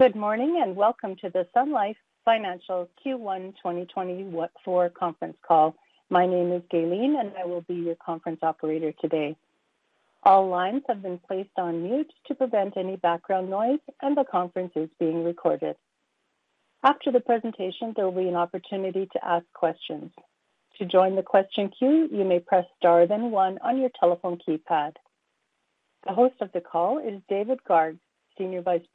Good morning, and welcome to the Sun Life Financial Q1 2024 Conference Call. My name is Gaylene, and I will be your conference operator today. All lines have been placed on mute to prevent any background noise, and the conference is being recorded. After the presentation, there will be an opportunity to ask questions. To join the question queue, you may press star, then one on your telephone keypad. The host of the call is David Garg, Senior Vice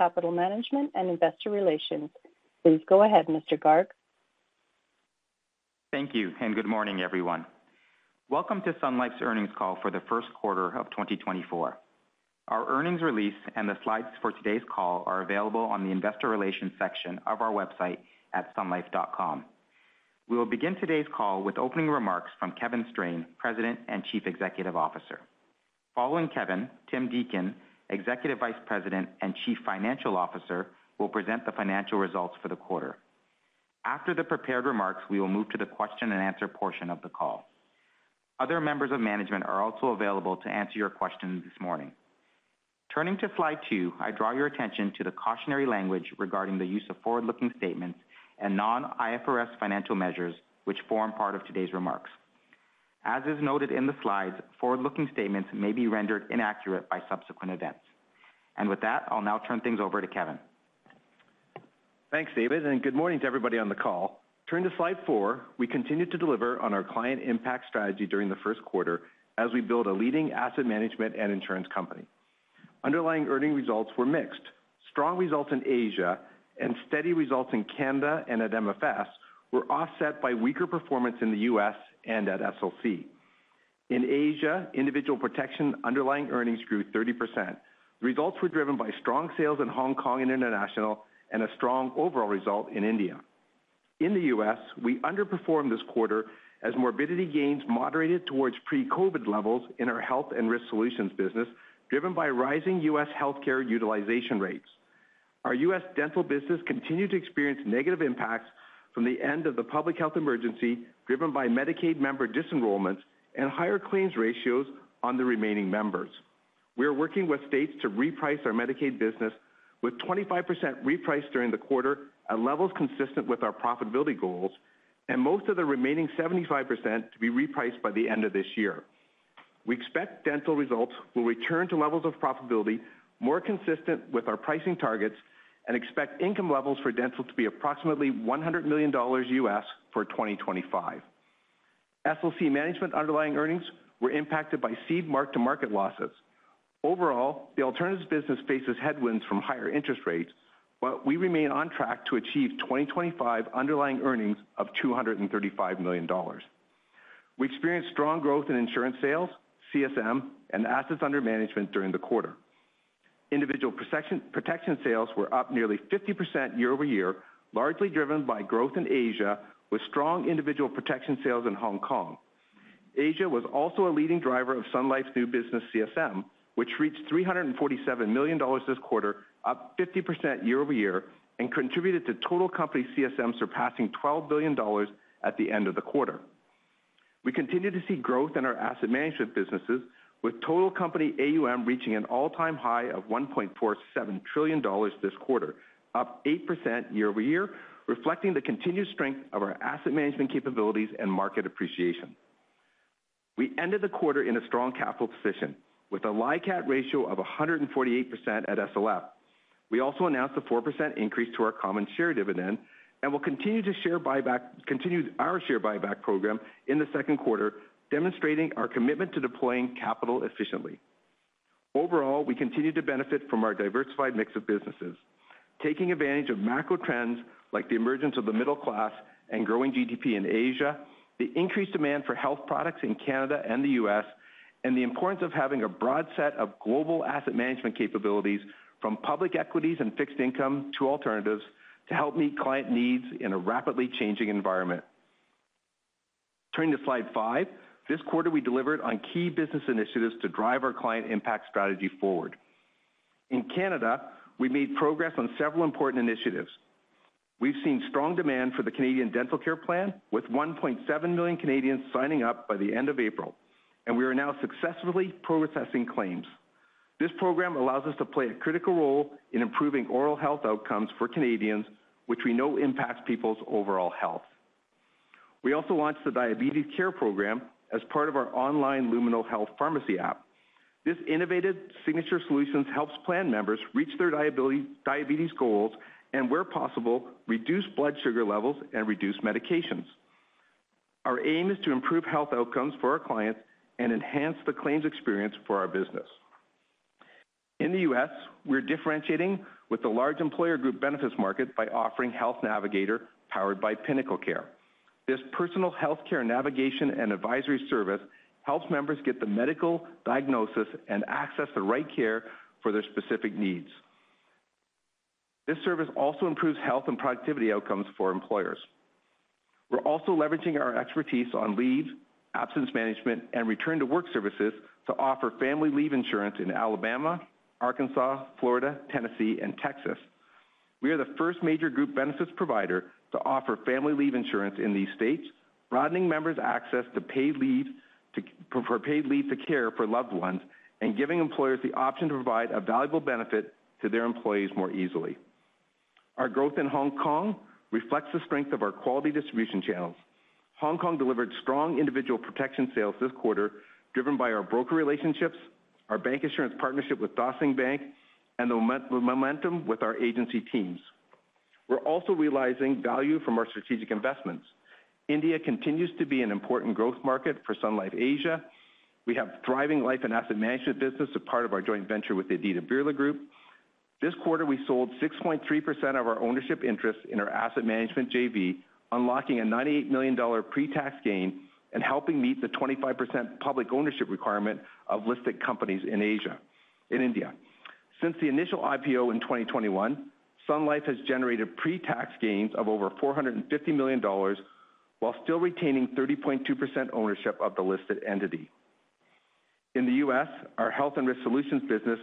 President, Capital Management and Investor Relations. Please go ahead, Mr. Garg. Thank you and good morning, everyone. Welcome to Sun Life's Earnings Call for the first quarter of 2024. Our earnings release and the slides for today's call are available on the Investor Relations section of our website at sunlife.com. We will begin today's call with opening remarks from Kevin Strain, President and Chief Executive Officer. Following Kevin, Tim Deacon, Executive Vice President and Chief Financial Officer, will present the financial results for the quarter. After the prepared remarks, we will move to the question and answer portion of the call. Other members of management are also available to answer your questions this morning. Turning to slide 2, I draw your attention to the cautionary language regarding the use of forward-looking statements and non-IFRS financial measures, which form part of today's remarks. As is noted in the slides, forward-looking statements may be rendered inaccurate by subsequent events. With that, I'll now turn things over to Kevin. Thanks, David, and good morning to everybody on the call. Turn to slide 4. We continued to deliver on our client impact strategy during the first quarter as we build a leading asset management and insurance company. Underlying earnings results were mixed. Strong results in Asia and steady results in Canada and at MFS were offset by weaker performance in the U.S. and at SLC. In Asia, individual protection underlying earnings grew 30%. Results were driven by strong sales in Hong Kong and international and a strong overall result in India. In the U.S., we underperformed this quarter as morbidity gains moderated towards pre-COVID levels in our health and risk solutions business, driven by rising U.S. healthcare utilization rates. Our U.S. dental business continued to experience negative impacts from the end of the public health emergency, driven by Medicaid member disenrollment and higher claims ratios on the remaining members. We are working with states to reprice our Medicaid business, with 25% repriced during the quarter at levels consistent with our profitability goals and most of the remaining 75% to be repriced by the end of this year. We expect dental results will return to levels of profitability more consistent with our pricing targets and expect income levels for dental to be approximately $100 million for 2025. SLC Management underlying earnings were impacted by seed mark-to-market losses. Overall, the alternatives business faces headwinds from higher interest rates, but we remain on track to achieve 2025 underlying earnings of 235 million dollars. We experienced strong growth in insurance sales, CSM, and assets under management during the quarter. Individual protection, protection sales were up nearly 50% year-over-year, largely driven by growth in Asia, with strong individual protection sales in Hong Kong. Asia was also a leading driver of Sun Life's new business CSM, which reached 347 million dollars this quarter, up 50% year-over-year, and contributed to total company CSM surpassing CAD $12 billion at the end of the quarter. We continue to see growth in our asset management businesses, with total company AUM reaching an all-time high of 1.47 trillion dollars this quarter, up 8% year-over-year, reflecting the continued strength of our asset management capabilities and market appreciation. We ended the quarter in a strong capital position with a LICAT ratio of 148% at SLF. We also announced a 4% increase to our common share dividend and will continue our share buyback program in the second quarter, demonstrating our commitment to deploying capital efficiently. Overall, we continue to benefit from our diversified mix of businesses, taking advantage of macro trends like the emergence of the middle class and growing GDP in Asia, the increased demand for health products in Canada and the U.S., and the importance of having a broad set of global asset management capabilities, from public equities and fixed income to alternatives, to help meet client needs in a rapidly changing environment. Turning to slide 5. This quarter, we delivered on key business initiatives to drive our client impact strategy forward. In Canada, we made progress on several important initiatives. We've seen strong demand for the Canadian Dental Care Plan, with 1.7 million Canadians signing up by the end of April, and we are now successfully processing claims. This program allows us to play a critical role in improving oral health outcomes for Canadians, which we know impacts people's overall health. We also launched the Diabetes Care Program as part of our online Lumino Health Pharmacy app. This innovative signature solutions helps plan members reach their diabetes goals and, where possible, reduce blood sugar levels and reduce medications. Our aim is to improve health outcomes for our clients and enhance the claims experience for our business. In the U.S., we're differentiating with the large employer group benefits market by offering Health Navigator, powered by PinnacleCare. This personal healthcare navigation and advisory service helps members get the medical diagnosis and access the right care for their specific needs. This service also improves health and productivity outcomes for employers. We're also leveraging our expertise on leave, absence management, and return to work services to offer family leave insurance in Alabama, Arkansas, Florida, Tennessee, and Texas. We are the first major group benefits provider to offer family leave insurance in these states, broadening members' access to paid leave to care for loved ones, and giving employers the option to provide a valuable benefit to their employees more easily. Our growth in Hong Kong reflects the strength of our quality distribution channels. Hong Kong delivered strong individual protection sales this quarter, driven by our broker relationships, our bank insurance partnership with Dah Sing Bank, and the momentum with our agency teams. We're also realizing value from our strategic investments. India continues to be an important growth market for Sun Life Asia. We have thriving life and asset management business as part of our joint venture with the Aditya Birla Group. This quarter, we sold 6.3% of our ownership interest in our asset management JV, unlocking a $98 million pre-tax gain and helping meet the 25% public ownership requirement of listed companies in Asia, in India. Since the initial IPO in 2021, Sun Life has generated pre-tax gains of over $450 million, while still retaining 30.2% ownership of the listed entity. In the U.S., our health and risk solutions business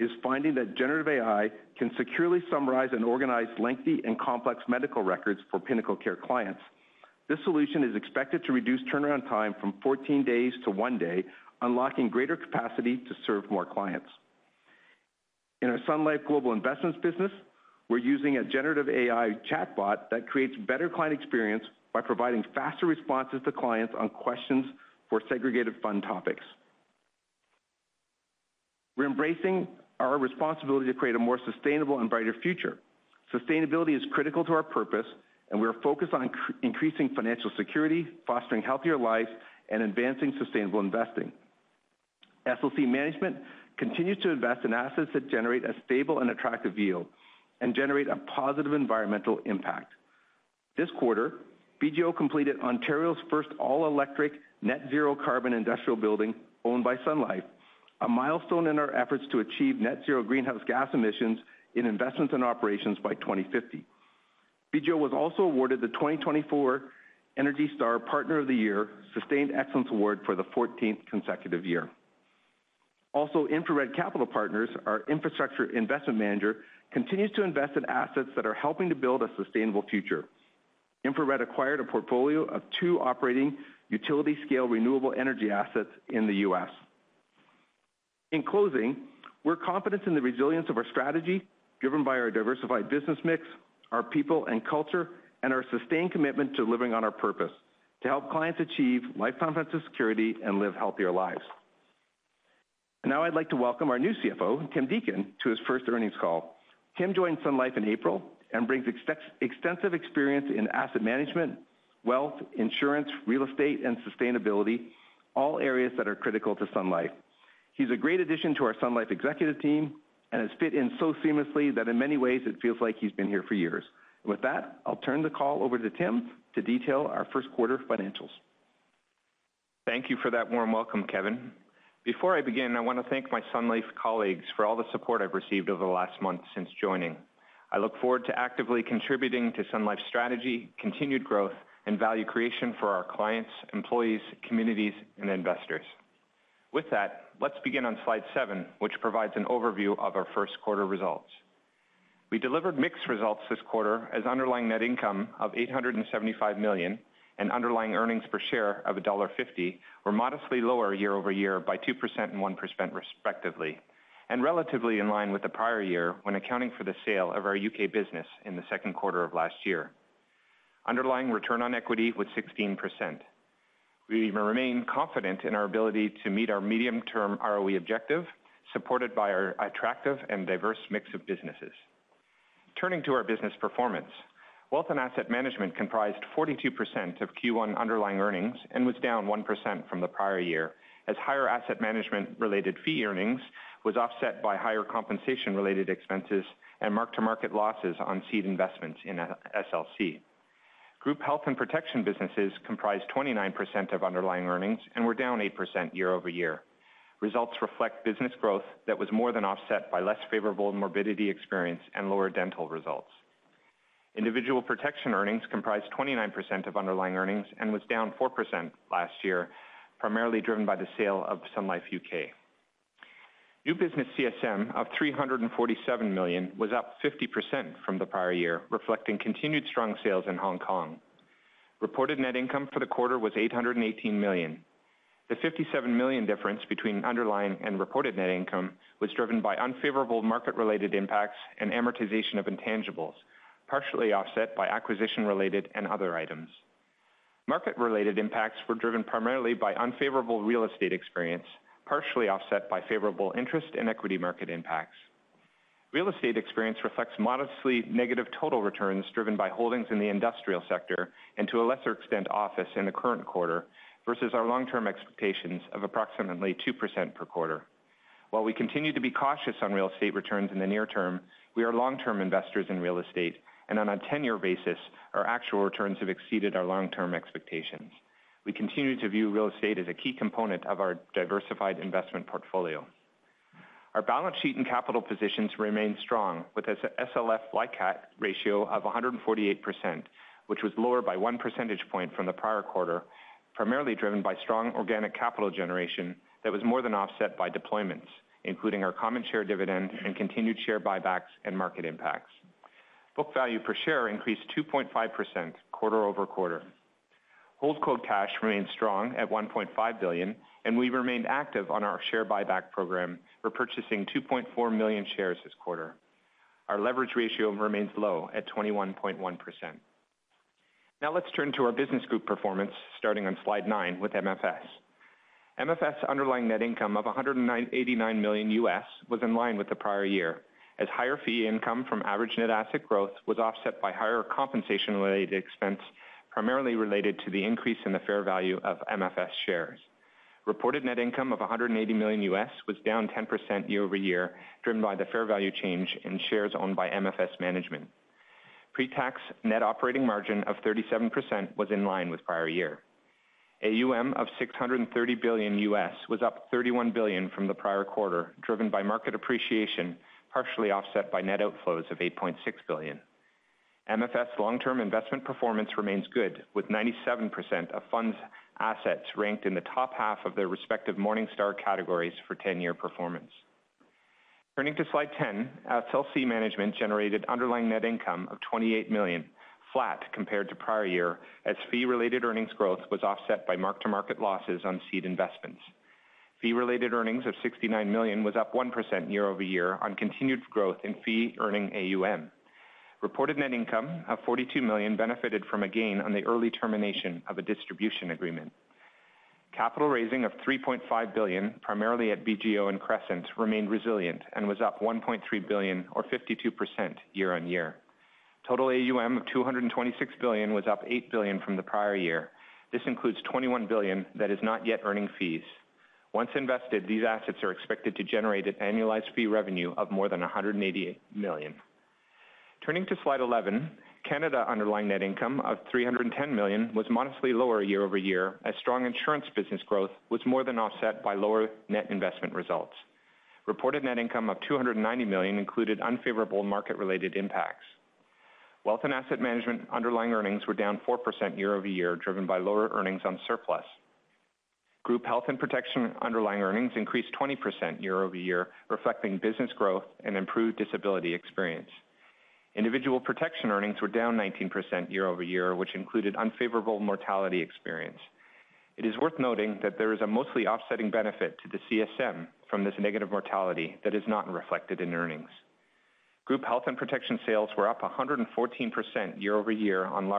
is finding that generative AI can securely summarize and organize lengthy and complex medical records for PinnacleCare clients. This solution is expected to reduce turnaround time from 14 days to one day, unlocking greater capacity to serve more clients. In our Sun Life Global Investments business, we're using a generative AI chatbot that creates better client experience by providing faster responses to clients on questions for segregated fund topics. We're embracing our responsibility to create a more sustainable and brighter future. Sustainability is critical to our purpose, and we are focused on increasing financial security, fostering healthier lives, and advancing sustainable investing. SLC Management continues to invest in assets that generate a stable and attractive yield and generate a positive environmental impact. This quarter, BGO completed Ontario's first all-electric, net zero carbon industrial building owned by Sun Life, a milestone in our efforts to achieve net zero greenhouse gas emissions in investments and operations by 2050. BGO was also awarded the 2024 Energy Star Partner of the Year Sustained Excellence Award for the fourteenth consecutive year. Also, InfraRed Capital Partners, our infrastructure investment manager, continues to invest in assets that are helping to build a sustainable future. InfraRed acquired a portfolio of two operating utility-scale renewable energy assets in the U.S. In closing, we're confident in the resilience of our strategy, driven by our diversified business mix, our people and culture, and our sustained commitment to living on our purpose: to help clients achieve life confidence and security and live healthier lives. And now I'd like to welcome our new CFO, Tim Deacon, to his first earnings call. Tim joined Sun Life in April and brings extensive experience in asset management, wealth, insurance, real estate, and sustainability, all areas that are critical to Sun Life. He's a great addition to our Sun Life executive team and has fit in so seamlessly that in many ways it feels like he's been here for years. With that, I'll turn the call over to Tim to detail our first quarter financials. Thank you for that warm welcome, Kevin. Before I begin, I want to thank my Sun Life colleagues for all the support I've received over the last month since joining. I look forward to actively contributing to Sun Life's strategy, continued growth, and value creation for our clients, employees, communities, and investors. With that, let's begin on slide 7, which provides an overview of our first quarter results. We delivered mixed results this quarter as underlying net income of 875 million and underlying earnings per share of dollar 1.50 were modestly lower year-over-year by 2% and 1%, respectively, and relatively in line with the prior year when accounting for the sale of our U.K. business in the second quarter of last year. Underlying return on equity was 16%. We remain confident in our ability to meet our medium-term ROE objective, supported by our attractive and diverse mix of businesses. Turning to our business performance, wealth and asset management comprised 42% of Q1 underlying earnings and was down 1% from the prior year, as higher asset management related fee earnings was offset by higher compensation related expenses and mark-to-market losses on seed investments in SLC. Group Health and Protection businesses comprised 29% of underlying earnings and were down 8% year-over-year. Results reflect business growth that was more than offset by less favorable morbidity experience and lower dental results. Individual protection earnings comprised 29% of underlying earnings and was down 4% last year, primarily driven by the sale of Sun Life UK. New business CSM of 347 million was up 50% from the prior year, reflecting continued strong sales in Hong Kong. Reported net income for the quarter was 818 million. The 57 million difference between underlying and reported net income was driven by unfavorable market-related impacts and amortization of intangibles, partially offset by acquisition-related and other items. Market-related impacts were driven primarily by unfavorable real estate experience, partially offset by favorable interest in equity market impacts. Real estate experience reflects modestly negative total returns, driven by holdings in the industrial sector and, to a lesser extent, office in the current quarter versus our long-term expectations of approximately 2% per quarter. While we continue to be cautious on real estate returns in the near term, we are long-term investors in real estate, and on a 10-year basis, our actual returns have exceeded our long-term expectations. We continue to view real estate as a key component of our diversified investment portfolio. Our balance sheet and capital positions remain strong, with a SLF LICAT ratio of 148%, which was lower by 1 percentage point from the prior quarter, primarily driven by strong organic capital generation that was more than offset by deployments, including our common share dividend and continued share buybacks and market impacts. Book value per share increased 2.5% quarter-over-quarter. Holdco cash remains strong at 1.5 billion, and we remained active on our share buyback program, repurchasing 2.4 million shares this quarter. Our leverage ratio remains low at 21.1%. Now let's turn to our business group performance, starting on slide 9 with MFS. MFS underlying net income of $89 million was in line with the prior year, as higher fee income from average net asset growth was offset by higher compensation-related expense, primarily related to the increase in the fair value of MFS shares. Reported net income of $180 million was down 10% year-over-year, driven by the fair value change in shares owned by MFS management. Pre-tax net operating margin of 37% was in line with prior year. AUM of $630 billion was up $31 billion from the prior quarter, driven by market appreciation, partially offset by net outflows of $8.6 billion. MFS long-term investment performance remains good, with 97% of funds assets ranked in the top half of their respective Morningstar categories for 10-year performance. Turning to slide 10, SLC Management generated underlying net income of 28 million, flat compared to prior year, as fee-related earnings growth was offset by mark-to-market losses on seed investments. Fee-related earnings of 69 million was up 1% year-over-year on continued growth in fee-earning AUM. Reported net income of 42 million benefited from a gain on the early termination of a distribution agreement. Capital raising of 3.5 billion, primarily at BGO and Crescent, remained resilient and was up 1.3 billion or 52% year-over-year. Total AUM of 226 billion was up 8 billion from the prior year. This includes 21 billion that is not yet earning fees. Once invested, these assets are expected to generate an annualized fee revenue of more than 188 million. Turning to slide 11, Canada underlying net income of 310 million was modestly lower year-over-year, as strong insurance business growth was more than offset by lower net investment results. Reported net income of 290 million included unfavorable market related impacts. Wealth and asset management underlying earnings were down 4% year-over-year, driven by lower earnings on surplus. Group Health and Protection underlying earnings increased 20% year-over-year, reflecting business growth and improved disability experience. Individual protection earnings were down 19% year-over-year, which included unfavorable mortality experience. It is worth noting that there is a mostly offsetting benefit to the CSM from this negative mortality that is not reflected in earnings. Group Health and Protection sales were up 114% year-over-year on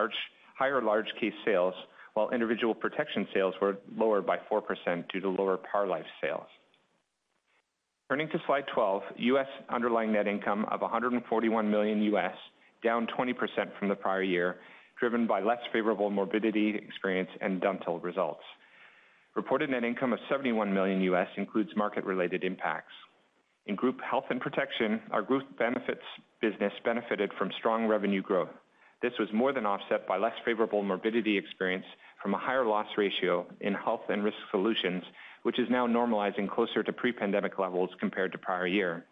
higher large case sales, while individual protection sales were lower by 4% due to lower Par Life sales. Turning to slide 12, U.S. underlying net income of $141 million, down 20% from the prior year, driven by less favorable morbidity experience and dental results. Reported net income of $71 million includes market-related impacts. In Group Health and Protection, our group benefits business benefited from strong revenue growth. This was more than offset by less favorable morbidity experience from a higher loss ratio in health and risk solutions, which is now normalizing closer to pre-pandemic levels compared to prior year.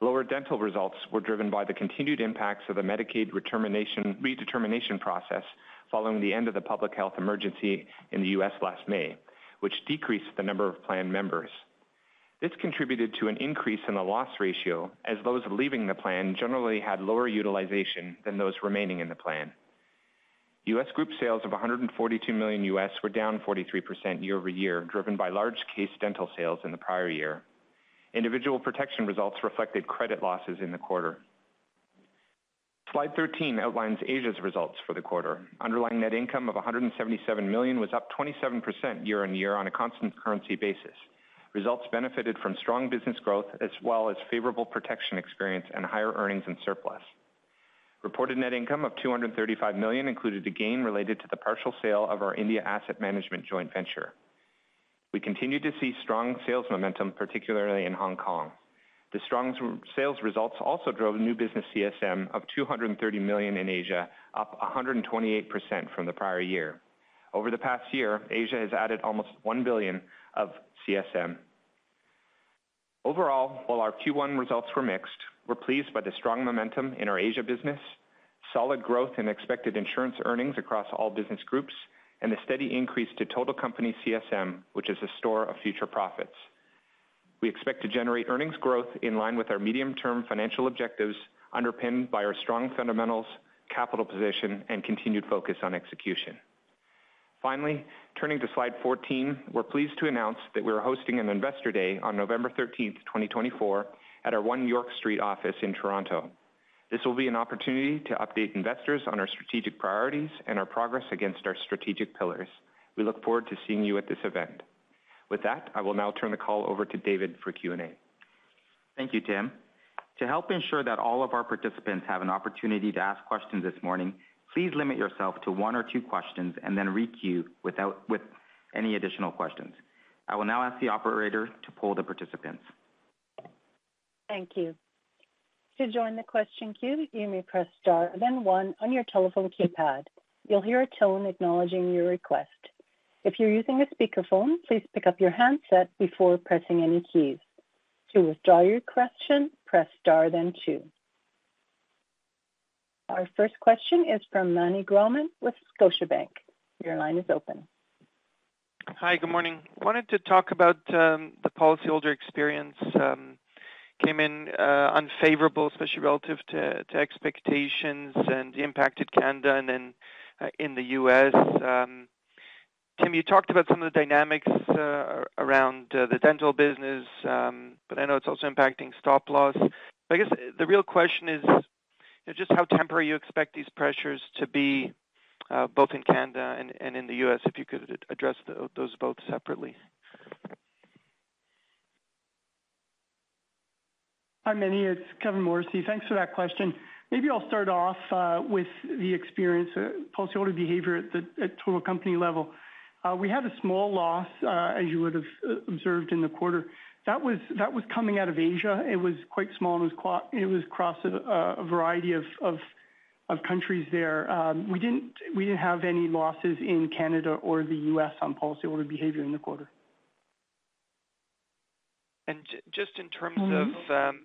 Lower dental results were driven by the continued impacts of the Medicaid redetermination process following the end of the public health emergency in the U.S. last May, which decreased the number of plan members. This contributed to an increase in the loss ratio, as those leaving the plan generally had lower utilization than those remaining in the plan. U.S. group sales of $142 million were down 43% year-over-year, driven by large case dental sales in the prior year. Individual protection results reflected credit losses in the quarter. Slide 13 outlines Asia's results for the quarter. Underlying net income of 177 million was up 27% year-over-year on a constant currency basis. Results benefited from strong business growth, as well as favorable protection experience and higher earnings and surplus. Reported net income of 235 million included a gain related to the partial sale of our India asset management joint venture. We continued to see strong sales momentum, particularly in Hong Kong. The strong sales results also drove new business CSM of 230 million in Asia, up 128% from the prior year. Over the past year, Asia has added almost 1 billion of CSM. Overall, while our Q1 results were mixed, we're pleased by the strong momentum in our Asia business, solid growth in expected insurance earnings across all business groups, and the steady increase to total company CSM, which is a store of future profits. We expect to generate earnings growth in line with our medium-term financial objectives, underpinned by our strong fundamentals, capital position, and continued focus on execution. Finally, turning to slide 14, we're pleased to announce that we are hosting an Investor Day on 13 November 2024, at our One York Street office in Toronto. This will be an opportunity to update investors on our strategic priorities and our progress against our strategic pillars. We look forward to seeing you at this event. With that, I will now turn the call over to David for Q&A. Thank you, Tim. To help ensure that all of our participants have an opportunity to ask questions this morning, please limit yourself to one or two questions and then re-queue with any additional questions. I will now ask the operator to poll the participants. Thank you. To join the question queue, you may press Star, then one on your telephone keypad. You'll hear a tone acknowledging your request. If you're using a speakerphone, please pick up your handset before pressing any keys. To withdraw your question, press Star then two. Our first question is from Meny Grauman with Scotiabank. Your line is open.... Hi, good morning. Wanted to talk about the policyholder experience came in unfavorable, especially relative to expectations and the impact at Canada and then in the U.S. Tim, you talked about some of the dynamics around the dental business, but I know it's also impacting stop-loss. I guess the real question is, just how temporary you expect these pressures to be, both in Canada and in the U.S., if you could address those both separately? Hi, Manny, it's Kevin Morrissey. Thanks for that question. Maybe I'll start off with the experience policyholder behavior at the total company level. We had a small loss as you would have observed in the quarter. That was coming out of Asia. It was quite small, and it was across a variety of countries there. We didn't have any losses in Canada or the U.S. on policyholder behavior in the quarter. Just in terms of,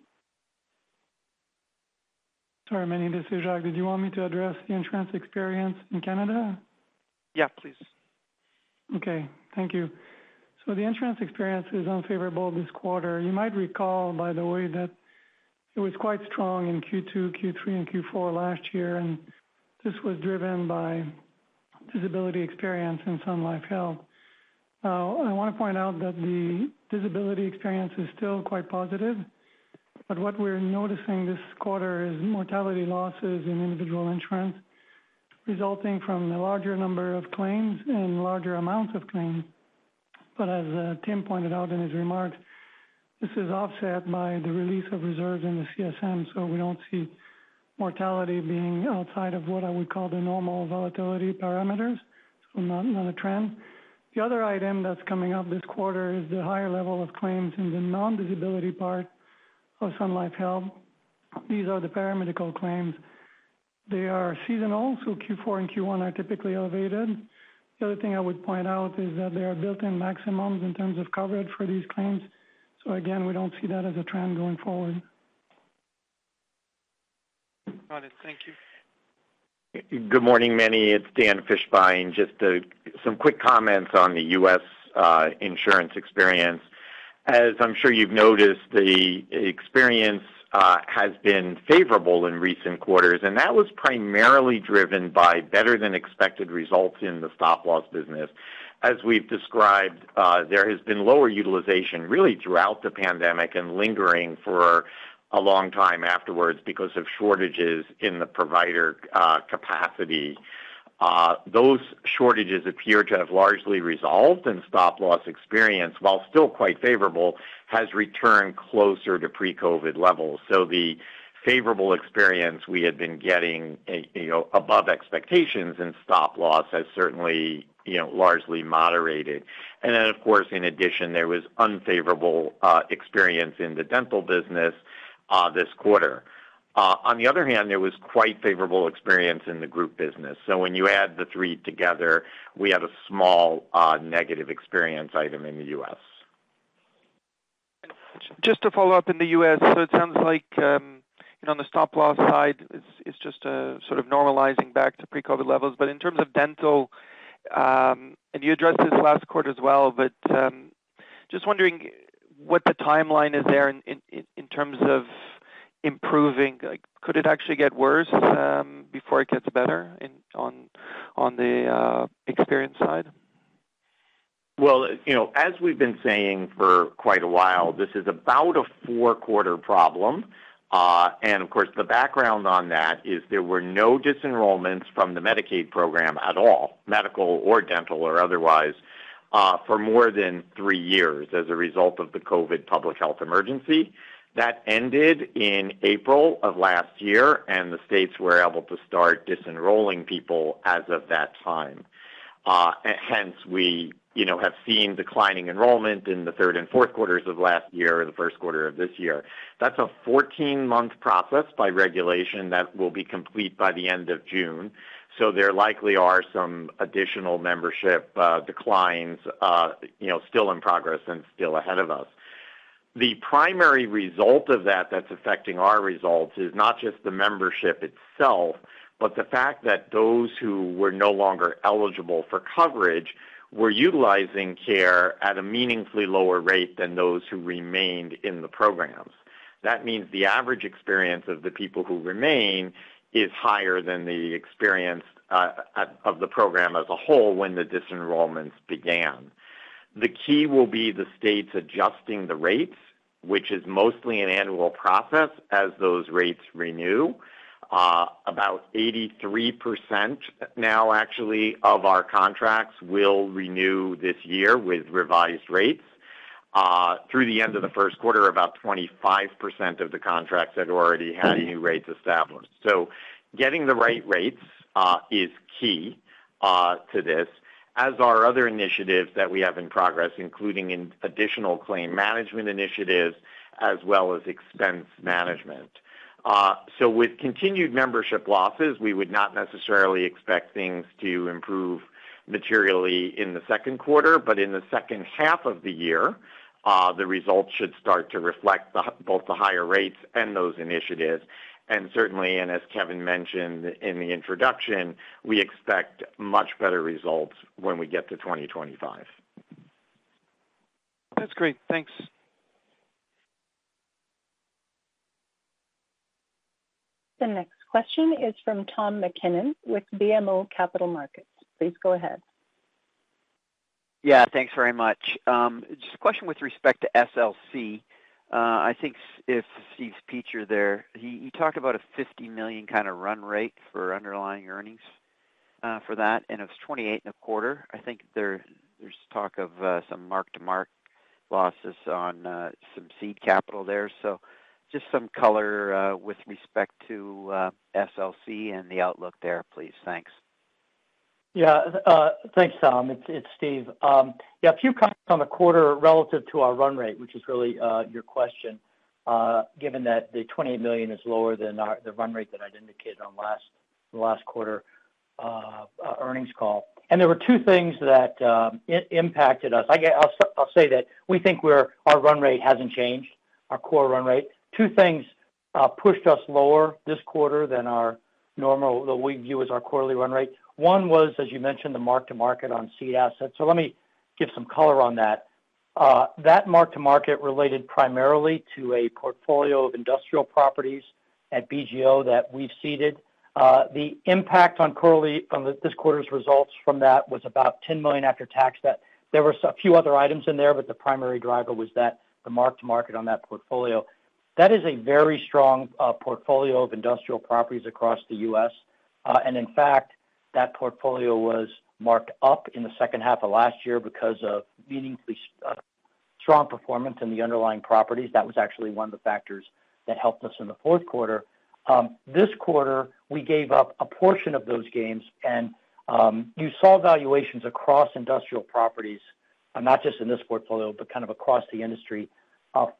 Sorry, Meny, this is Jacques. Did you want me to address the insurance experience in Canada? Yeah, please. Okay. Thank you. So the insurance experience is unfavorable this quarter. You might recall, by the way, that it was quite strong in Q2, Q3, and Q4 last year, and this was driven by disability experience in Sun Life Health. I want to point out that the disability experience is still quite positive, but what we're noticing this quarter is mortality losses in individual insurance, resulting from a larger number of claims and larger amounts of claims. But as Tim pointed out in his remarks, this is offset by the release of reserves in the CSM, so we don't see mortality being outside of what I would call the normal volatility parameters, so not, not a trend. The other item that's coming up this quarter is the higher level of claims in the non-disability part of Sun Life Health. These are the paramedical claims. They are seasonal, so Q4 and Q1 are typically elevated. The other thing I would point out is that there are built-in maximums in terms of coverage for these claims, so again, we don't see that as a trend going forward. Got it. Thank you. Good morning, Meny, it's Dan Fishbein. Just some quick comments on the U.S. insurance experience. As I'm sure you've noticed, the experience has been favorable in recent quarters, and that was primarily driven by better than expected results in the stop-loss business. As we've described, there has been lower utilization, really throughout the pandemic and lingering for a long time afterwards because of shortages in the provider capacity. Those shortages appear to have largely resolved, and stop-loss experience, while still quite favorable, has returned closer to pre-COVID levels. So the favorable experience we had been getting, you know, above expectations in stop loss has certainly, you know, largely moderated. And then, of course, in addition, there was unfavorable experience in the dental business this quarter. On the other hand, there was quite favorable experience in the group business. So when you add the three together, we have a small, negative experience item in the U.S. Just to follow up in the U.S., so it sounds like, you know, on the stop loss side, it's just sort of normalizing back to pre-COVID levels. But in terms of dental, and you addressed this last quarter as well, but just wondering what the timeline is there in terms of improving? Like, could it actually get worse before it gets better on the experience side? Well, you know, as we've been saying for quite a while, this is about a 4-quarter problem. Of course, the background on that is there were no disenrollments from the Medicaid program at all, medical or dental or otherwise, for more than 3 years as a result of the COVID Public Health Emergency. That ended in April of last year, and the states were able to start disenrolling people as of that time. Hence we, you know, have seen declining enrollment in the third and fourth quarters of last year, or the first quarter of this year. That's a 14-month process by regulation that will be complete by the end of June, so there likely are some additional membership declines, you know, still in progress and still ahead of us. The primary result of that, that's affecting our results is not just the membership itself, but the fact that those who were no longer eligible for coverage were utilizing care at a meaningfully lower rate than those who remained in the programs. That means the average experience of the people who remain is higher than the experience of the program as a whole when the disenrollments began. The key will be the states adjusting the rates, which is mostly an annual process as those rates renew. About 83% now, actually, of our contracts will renew this year with revised rates. Through the end of the first quarter, about 25% of the contracts had already had new rates established. Getting the right rates is key to this, as are other initiatives that we have in progress, including additional claim management initiatives as well as expense management. So with continued membership losses, we would not necessarily expect things to improve materially in the second quarter, but in the second half of the year, the results should start to reflect both the higher rates and those initiatives. And certainly, and as Kevin mentioned in the introduction, we expect much better results when we get to 2025. That's great. Thanks. The next question is from Tom MacKinnon with BMO Capital Markets. Please go ahead. Yeah, thanks very much. Just a question with respect to SLC. I think if Steve Peacher there, he, he talked about a 50 million kind of run rate for underlying earnings, for that, and it was 28.25 million. I think there, there's talk of, some mark-to-market losses on, some seed capital there. So just some color, with respect to, SLC and the outlook there, please. Thanks. Yeah, thanks, Tom. It's Steve. Yeah, a few comments on the quarter relative to our run rate, which is really your question, given that the 28 million is lower than the run rate that I'd indicated on the last quarter earnings call. And there were two things that impacted us. I'll say that we think we're... Our run rate hasn't changed, our core run rate. Two things pushed us lower this quarter than our normal, what we view as our quarterly run rate. One was, as you mentioned, the mark-to-market on seed assets. So let me give some color on that. That mark-to-market related primarily to a portfolio of industrial properties at BGO that we've seeded. The impact on this quarter's results from that was about 10 million after tax debt. There were a few other items in there, but the primary driver was that the mark-to-market on that portfolio. That is a very strong portfolio of industrial properties across the U.S. And in fact, that portfolio was marked up in the second half of last year because of meaningfully strong performance in the underlying properties. That was actually one of the factors that helped us in the fourth quarter. This quarter, we gave up a portion of those gains, and you saw valuations across industrial properties not just in this portfolio, but kind of across the industry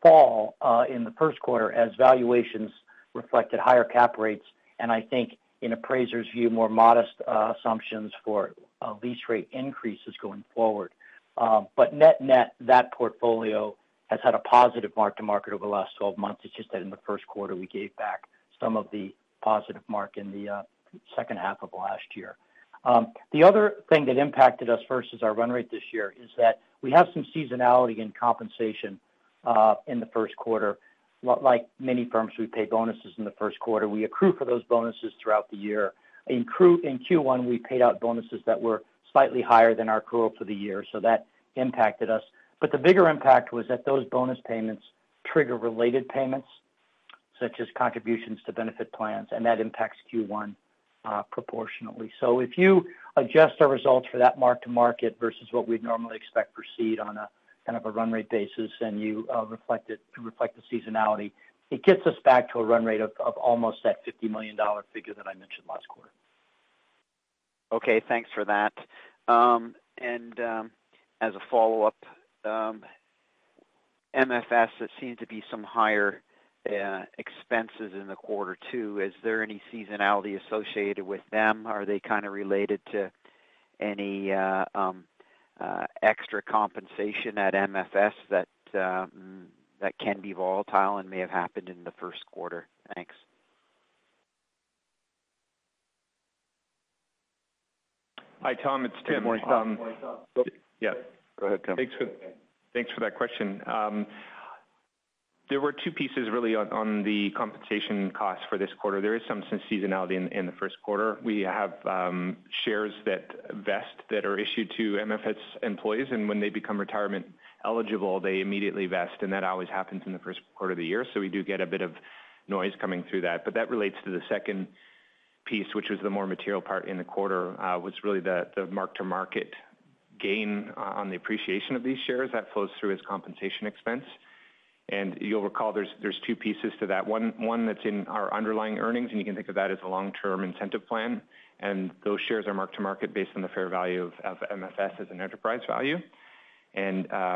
fall in the first quarter as valuations reflected higher cap rates. And I think in appraisers' view, more modest assumptions for lease rate increases going forward. But net-net, that portfolio has had a positive mark-to-market over the last 12 months. It's just that in the first quarter, we gave back some of the positive mark in the second half of last year. The other thing that impacted us versus our run rate this year is that we have some seasonality in compensation in the first quarter. Like many firms, we pay bonuses in the first quarter. We accrue for those bonuses throughout the year. In Q1, we paid out bonuses that were slightly higher than our accrual for the year, so that impacted us. But the bigger impact was that those bonus payments trigger related payments, such as contributions to benefit plans, and that impacts Q1 proportionately. If you adjust our results for that mark-to-market versus what we'd normally expect for seed on a, kind of a run rate basis, and you, reflect it to reflect the seasonality, it gets us back to a run rate of, of almost that $50 million figure that I mentioned last quarter. Okay, thanks for that. As a follow-up, MFS, there seemed to be some higher expenses in the quarter, too. Is there any seasonality associated with them? Are they kind of related to any extra compensation at MFS that can be volatile and may have happened in the first quarter? Thanks. Hi, Tom. It's Tim. Good morning, Tom. Yeah. Go ahead, Tom. Thanks for, thanks for that question. There were two pieces really on, on the compensation costs for this quarter. There is some seasonality in, in the first quarter. We have, shares that vest, that are issued to MFS employees, and when they become retirement eligible, they immediately vest, and that always happens in the first quarter of the year. So we do get a bit of noise coming through that. But that relates to the second piece, which is the more material part in the quarter, was really the, the mark-to-market gain on, on the appreciation of these shares. That flows through as compensation expense. And you'll recall, there's, there's two pieces to that. One, one that's in our underlying earnings, and you can think of that as a long-term incentive plan. Those shares are mark-to-market based on the fair value of MFS as an enterprise value.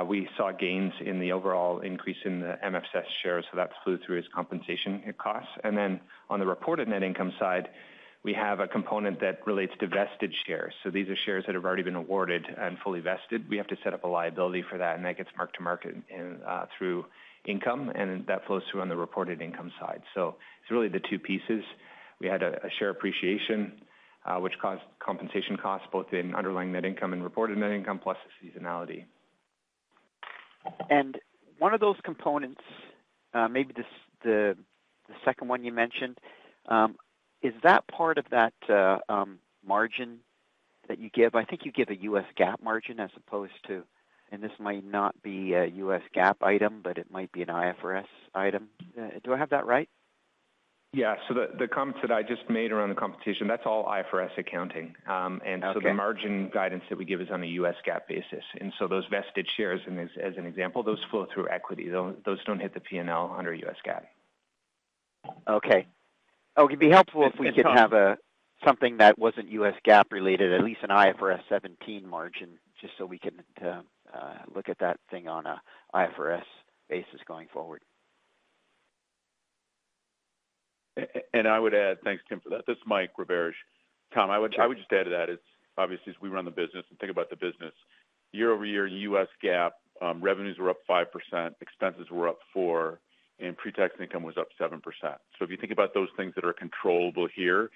We saw gains in the overall increase in the MFS shares, so that flew through as compensation costs. Then on the reported net income side, we have a component that relates to vested shares. These are shares that have already been awarded and fully vested. We have to set up a liability for that, and that gets mark-to-market in through income, and that flows through on the reported income side. It's really the two pieces. We had a share appreciation, which caused compensation costs both in underlying net income and reported net income, plus the seasonality. And one of those components, maybe this, the second one you mentioned, is that part of that margin that you give? I think you give a U.S. GAAP margin as opposed to... And this might not be a U.S. GAAP item, but it might be an IFRS item. Do I have that right? Yeah. So the comment that I just made around the competition, that's all IFRS accounting. And- Okay. So the margin guidance that we give is on a U.S. GAAP basis. And so those vested shares, and as an example, those flow through equity. Those don't hit the P&L under U.S. GAAP. Okay. It would be helpful if we could have something that wasn't US GAAP related, at least an IFRS 17 margin, just so we can look at that thing on a IFRS basis going forward. And I would add... Thanks, Tim, for that. This is Mike Roberge. Tom, I would just add to that, it's obviously, as we run the business and think about the business, year-over-year, US GAAP, revenues were up 5%, expenses were up 4%, and pre-tax income was up 7%. So if you think about those things that are controllable here, and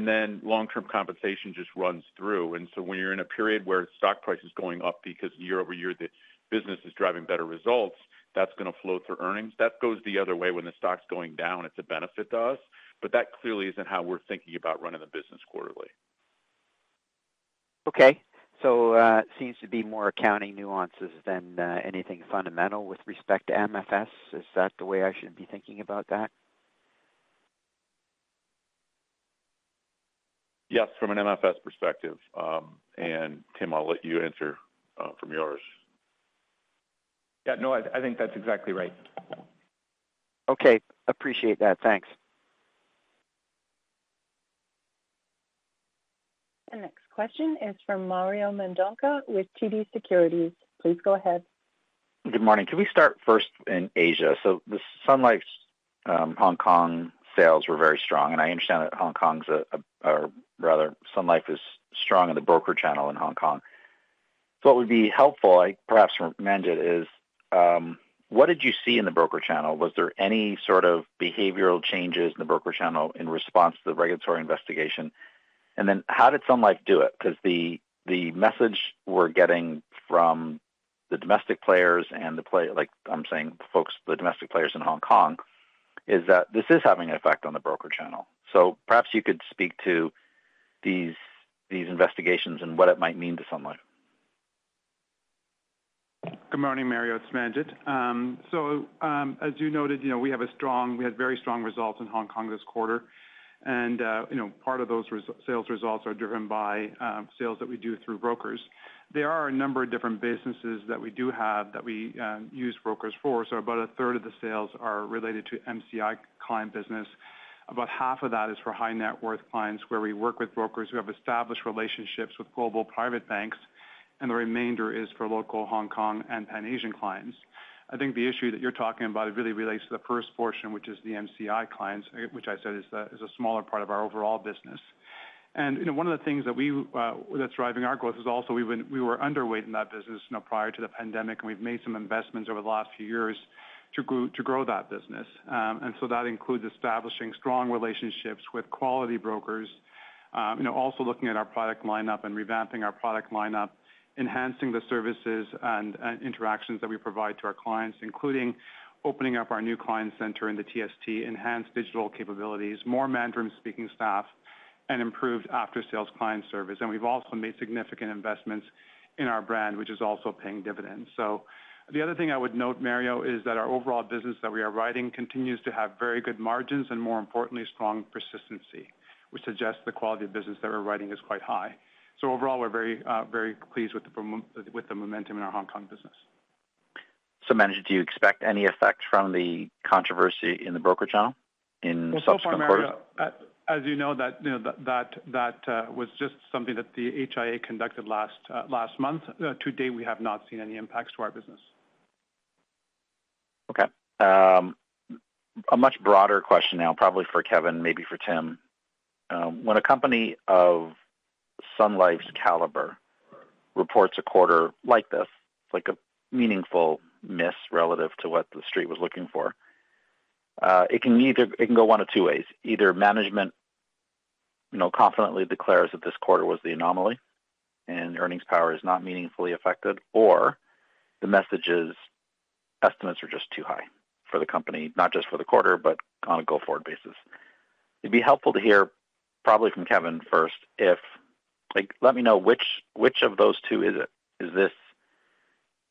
then long-term compensation just runs through. And so when you're in a period where stock price is going up because year-over-year, the-... business is driving better results, that's going to flow through earnings. That goes the other way. When the stock's going down, it's a benefit to us, but that clearly isn't how we're thinking about running the business quarterly. Okay. So, seems to be more accounting nuances than anything fundamental with respect to MFS. Is that the way I should be thinking about that? Yes, from an MFS perspective. Tim, I'll let you answer from yours. Yeah, no, I think that's exactly right. Okay. Appreciate that. Thanks. The next question is from Mario Mendonca with TD Securities. Please go ahead. Good morning. Can we start first in Asia? So the Sun Life Hong Kong sales were very strong, and I understand that Hong Kong's a, or rather, Sun Life is strong in the broker channel in Hong Kong. So what would be helpful, perhaps from Manjit, is what did you see in the broker channel? Was there any sort of behavioral changes in the broker channel in response to the regulatory investigation? And then how did Sun Life do it? Because the message we're getting from the domestic players and the—like I'm saying, folks, the domestic players in Hong Kong—is that this is having an effect on the broker channel. So perhaps you could speak to these investigations and what it might mean to Sun Life. Good morning, Mario, it's Manjit. So, as you noted, you know, we had very strong results in Hong Kong this quarter, and, you know, part of those sales results are driven by, sales that we do through brokers. There are a number of different businesses that we do have that we, use brokers for. So about a third of the sales are related to MCV client business. About half of that is for high net worth clients, where we work with brokers who have established relationships with global private banks, and the remainder is for local Hong Kong and Pan Asian clients. I think the issue that you're talking about really relates to the first portion, which is the MCI clients, which I said is the, is a smaller part of our overall business. And, you know, one of the things that we, that's driving our growth is also we were underweight in that business, you know, prior to the pandemic, and we've made some investments over the last few years to grow that business. And so that includes establishing strong relationships with quality brokers. You know, also looking at our product lineup and revamping our product lineup, enhancing the services and, and interactions that we provide to our clients, including opening up our new client center in the TST, enhanced digital capabilities, more Mandarin speaking staff and improved after-sales client service. And we've also made significant investments in our brand, which is also paying dividends. So the other thing I would note, Mario, is that our overall business that we are writing continues to have very good margins and more importantly, strong persistency, which suggests the quality of business that we're writing is quite high. So overall, we're very, very pleased with the momentum in our Hong Kong business. Manjit, do you expect any effect from the controversy in the broker channel in subsequent quarters? Well, so far, Mario, as you know, that was just something that the HIA conducted last month. To date, we have not seen any impacts to our business. Okay, a much broader question now, probably for Kevin, maybe for Tim. When a company of Sun Life's caliber reports a quarter like this, like a meaningful miss relative to what the street was looking for, it can either... It can go one of two ways. Either management, you know, confidently declares that this quarter was the anomaly and earnings power is not meaningfully affected, or the message is estimates are just too high for the company, not just for the quarter, but on a go-forward basis. It'd be helpful to hear, probably from Kevin first, if, like, let me know which of those two is it? Is this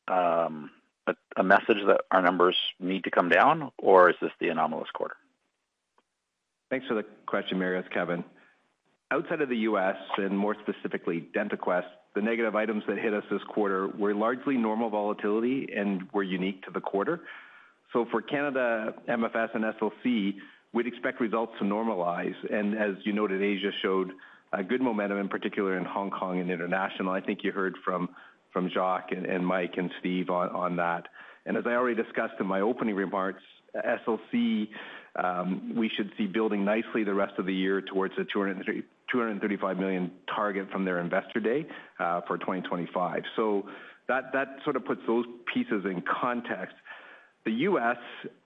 a message that our numbers need to come down, or is this the anomalous quarter? Thanks for the question, Mario. It's Kevin. Outside of the US, and more specifically, DentaQuest, the negative items that hit us this quarter were largely normal volatility and were unique to the quarter. So for Canada, MFS and SLC, we'd expect results to normalize, and as you noted, Asia showed a good momentum, in particular in Hong Kong and international. I think you heard from Jacques and Mike and Steve on that. And as I already discussed in my opening remarks, SLC, we should see building nicely the rest of the year towards the 230 million-235 million target from their investor day for 2025. So that sort of puts those pieces in context. The US,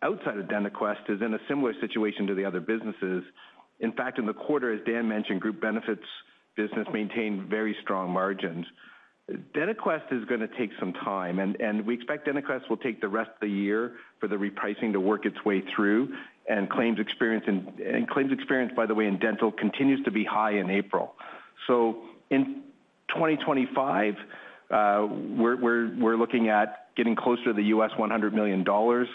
outside of DentaQuest, is in a similar situation to the other businesses. In fact, in the quarter, as Dan mentioned, group benefits business maintained very strong margins. DentaQuest is going to take some time, and we expect DentaQuest will take the rest of the year for the repricing to work its way through. And claims experience, by the way, in dental, continues to be high in April. So in 2025, we're looking at getting closer to the $100 million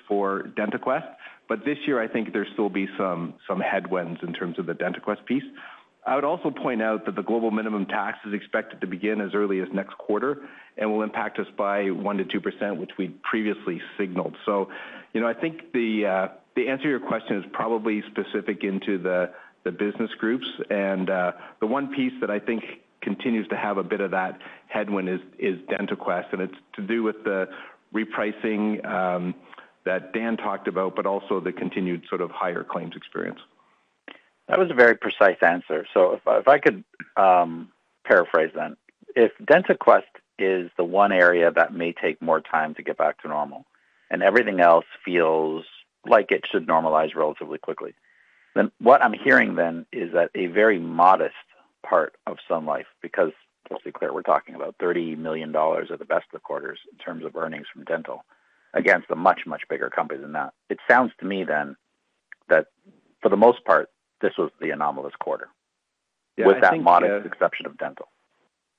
for DentaQuest. But this year, I think there's still be some headwinds in terms of the DentaQuest piece. I would also point out that the global minimum tax is expected to begin as early as next quarter and will impact us by 1%-2%, which we previously signaled. So, you know, I think the answer to your question is probably specific to the business groups. And, the one piece that I think continues to have a bit of that headwind is DentaQuest, and it's to do with the repricing that Dan talked about, but also the continued sort of higher claims experience. That was a very precise answer. So if, if I could, paraphrase then. If DentaQuest is the one area that may take more time to get back to normal and everything else feels like it should normalize relatively quickly, then what I'm hearing then is that a very modest-... part of Sun Life, because let's be clear, we're talking about 30 million dollars as the best of quarters in terms of earnings from dental, against a much, much bigger company than that. It sounds to me then that for the most part, this was the anomalous quarter, with that modest exception of dental.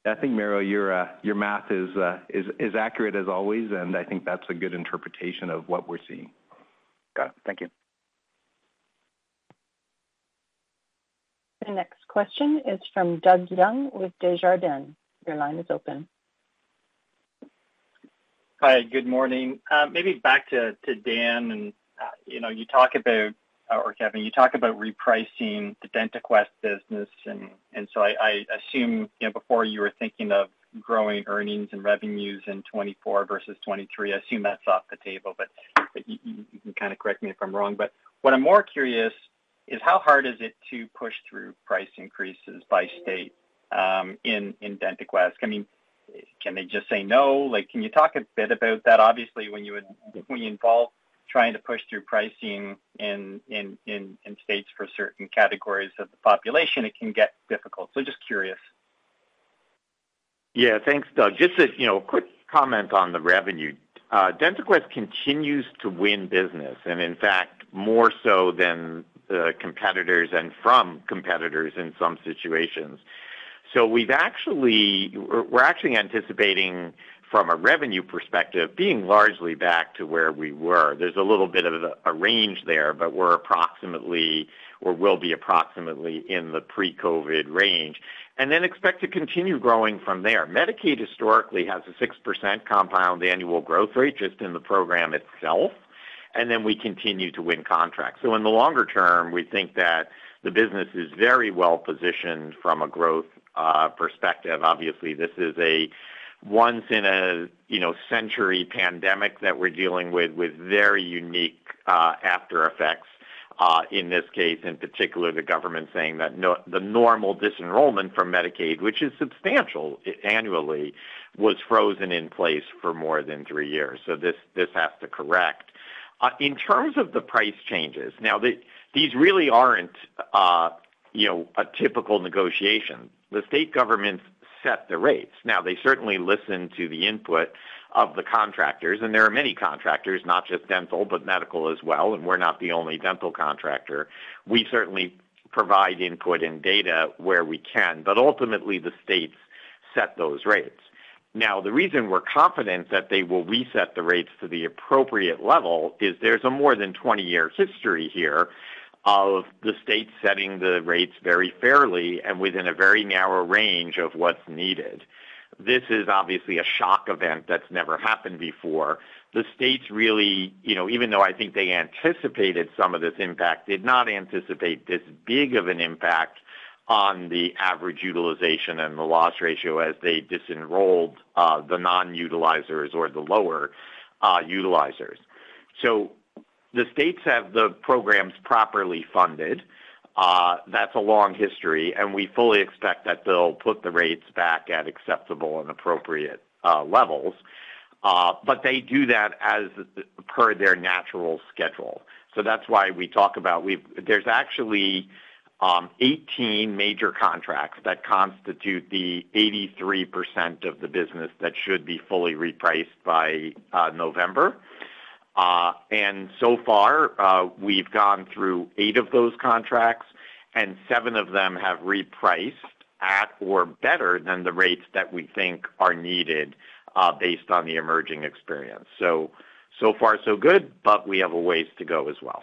I think, Merrill, your math is accurate as always, and I think that's a good interpretation of what we're seeing. Got it. Thank you. The next question is from Doug Young, with Desjardins. Your line is open. Hi, good morning. Maybe back to Dan, and you know, you talk about, or Kevin, you talk about repricing the DentaQuest business, and so I assume, you know, before you were thinking of growing earnings and revenues in 2024 versus 2023. I assume that's off the table, but you can kind of correct me if I'm wrong. But what I'm more curious is how hard is it to push through price increases by state in DentaQuest? I mean, can they just say no? Like, can you talk a bit about that? Obviously, when you involve trying to push through pricing in states for certain categories of the population, it can get difficult. So just curious. Yeah. Thanks, Doug. Just a, you know, quick comment on the revenue. DentaQuest continues to win business, and in fact, more so than the competitors and from competitors in some situations. So we've actually, we're actually anticipating, from a revenue perspective, being largely back to where we were. There's a little bit of a range there, but we're approximately, or will be approximately in the pre-COVID range, and then expect to continue growing from there. Medicaid historically has a 6% compound annual growth rate just in the program itself, and then we continue to win contracts. So in the longer term, we think that the business is very well positioned from a growth perspective. Obviously, this is a once in a, you know, century pandemic that we're dealing with, with very unique aftereffects. In this case, in particular, the government saying that the normal disenrollment from Medicaid, which is substantial annually, was frozen in place for more than three years, so this, this has to correct. In terms of the price changes, these really aren't, you know, a typical negotiation. The state governments set the rates. Now, they certainly listen to the input of the contractors, and there are many contractors, not just dental, but medical as well, and we're not the only dental contractor. We certainly provide input and data where we can, but ultimately, the states set those rates. Now, the reason we're confident that they will reset the rates to the appropriate level is there's a more than 20 years history here of the state setting the rates very fairly and within a very narrow range of what's needed. This is obviously a shock event that's never happened before. The states really, you know, even though I think they anticipated some of this impact, did not anticipate this big of an impact on the average utilization and the loss ratio as they disenrolled the non-utilizers or the lower utilizers. So the states have the programs properly funded. That's a long history, and we fully expect that they'll put the rates back at acceptable and appropriate levels. But they do that as per their natural schedule. So that's why we talk about there's actually 18 major contracts that constitute the 83% of the business that should be fully repriced by November. So far, we've gone through eight of those contracts, and seven of them have repriced at or better than the rates that we think are needed, based on the emerging experience. So, so far, so good, but we have a ways to go as well.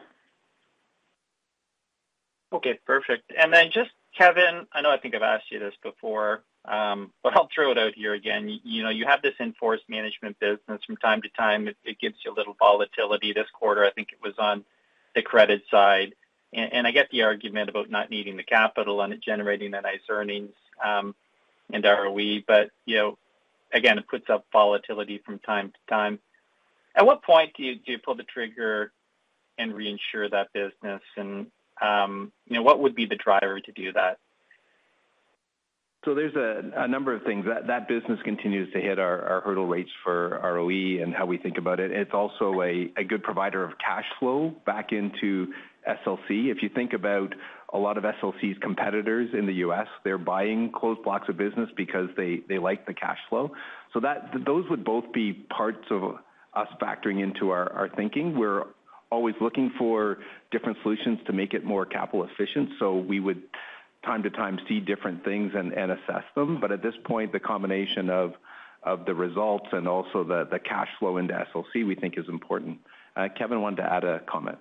Okay, perfect. And then just, Kevin, I know I think I've asked you this before, but I'll throw it out here again. You know, you have this in-force management business from time to time. It gives you a little volatility. This quarter, I think it was on the credit side. And I get the argument about not needing the capital and it generating the nice earnings, and ROE, but, you know, again, it puts up volatility from time to time. At what point do you pull the trigger and reinsure that business? And, you know, what would be the driver to do that? So there's a number of things. That business continues to hit our hurdle rates for ROE and how we think about it. It's also a good provider of cash flow back into SLC. If you think about a lot of SLC's competitors in the US, they're buying closed blocks of business because they like the cash flow. So that those would both be parts of us factoring into our thinking. We're always looking for different solutions to make it more capital efficient, so we would, from time to time, see different things and assess them. But at this point, the combination of the results and also the cash flow into SLC, we think is important. Kevin wanted to add a comment.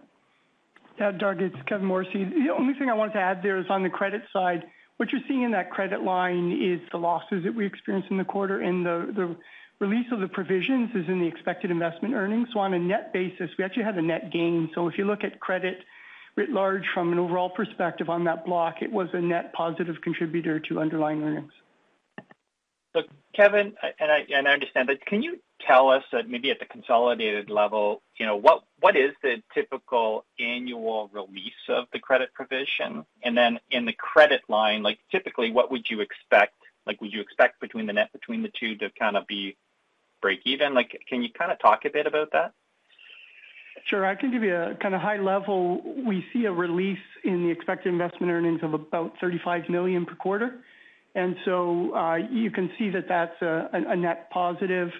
Yeah, Doug, it's Kevin Morrissey. The only thing I wanted to add there is on the credit side, what you're seeing in that credit line is the losses that we experienced in the quarter, and the release of the provisions is in the expected investment earnings. So on a net basis, we actually had a net gain. So if you look at credit writ large from an overall perspective on that block, it was a net positive contributor to underlying earnings. Look, Kevin, and I understand, but can you tell us that maybe at the consolidated level, you know, what, what is the typical annual release of the credit provision? And then in the credit line, like, typically, what would you expect? Like, would you expect between the net, between the two to kind of be breakeven? Like, can you kind of talk a bit about that? ... Sure, I can give you a kind of high level. We see a release in the expected investment earnings of about 35 million per quarter, and so, you can see that that's a net positive.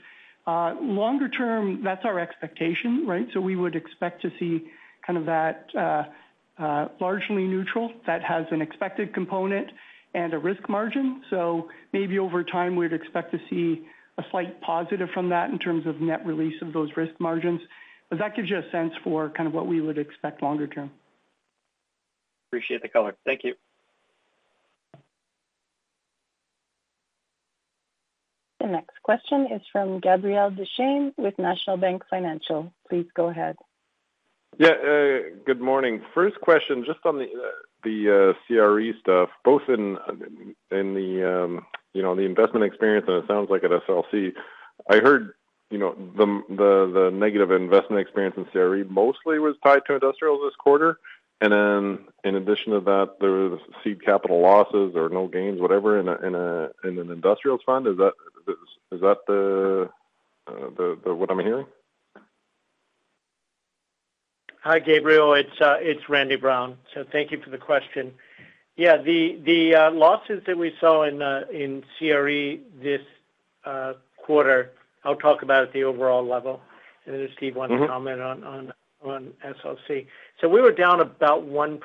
Longer term, that's our expectation, right? So we would expect to see kind of that, largely neutral. That has an expected component and a risk margin. So maybe over time, we'd expect to see a slight positive from that in terms of net release of those risk margins. But that gives you a sense for kind of what we would expect longer term. Appreciate the color. Thank you. The next question is from Gabriel Dechaine with National Bank Financial. Please go ahead. Yeah, good morning. First question, just on the CRE stuff, both in the, you know, the investment experience, and it sounds like at SLC. I heard, you know, the negative investment experience in CRE mostly was tied to industrials this quarter, and then in addition to that, there was seed capital losses or no gains, whatever, in an industrial fund. Is that the what I'm hearing? Hi, Gabriel, it's Randy Brown. So thank you for the question. Yeah, the losses that we saw in CRE this quarter, I'll talk about at the overall level, and then Steve wants to comment on SLC. So we were down about 1%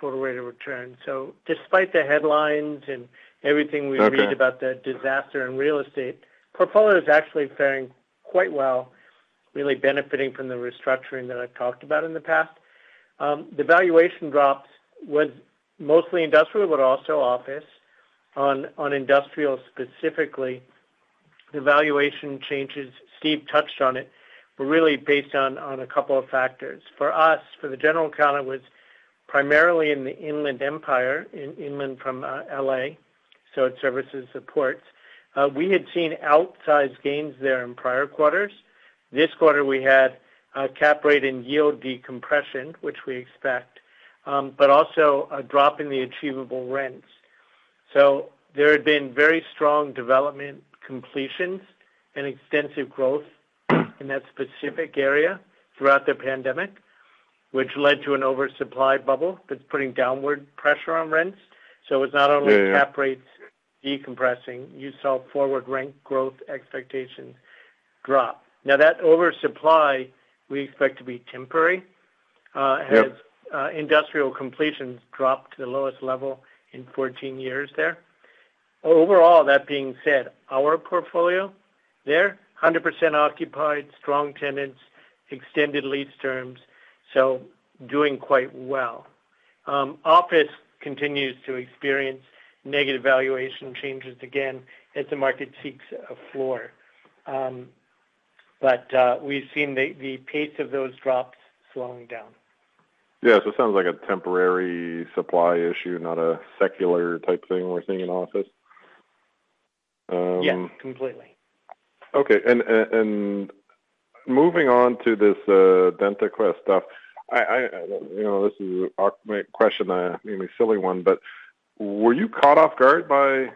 total rate of return. So despite the headlines and everything we read- Okay - about the disaster in real estate, portfolio is actually faring quite well, really benefiting from the restructuring that I've talked about in the past. The valuation drops was mostly industrial, but also office. On, on industrial specifically, the valuation changes, Steve touched on it, were really based on, on a couple of factors. For us, for the general account, it was primarily in the Inland Empire, in inland from, L.A., so it services the port. We had seen outsized gains there in prior quarters. This quarter, we had a cap rate and yield decompression, which we expect, but also a drop in the achievable rents. So there had been very strong development completions and extensive growth in that specific area throughout the pandemic, which led to an oversupply bubble that's putting downward pressure on rents. Yeah, yeah. So it's not only cap rates decompressing. You saw forward rent growth expectations drop. Now, that oversupply we expect to be temporary, Yep... as industrial completions drop to the lowest level in 14 years there. Overall, that being said, our portfolio there, 100% occupied, strong tenants, extended lease terms, so doing quite well. Office continues to experience negative valuation changes again as the market seeks a floor. But we've seen the pace of those drops slowing down. Yeah, so it sounds like a temporary supply issue, not a secular type thing we're seeing in office. Yeah, completely. Okay, moving on to this, DentaQuest stuff, I you know, this is a question, maybe a silly one, but were you caught off guard by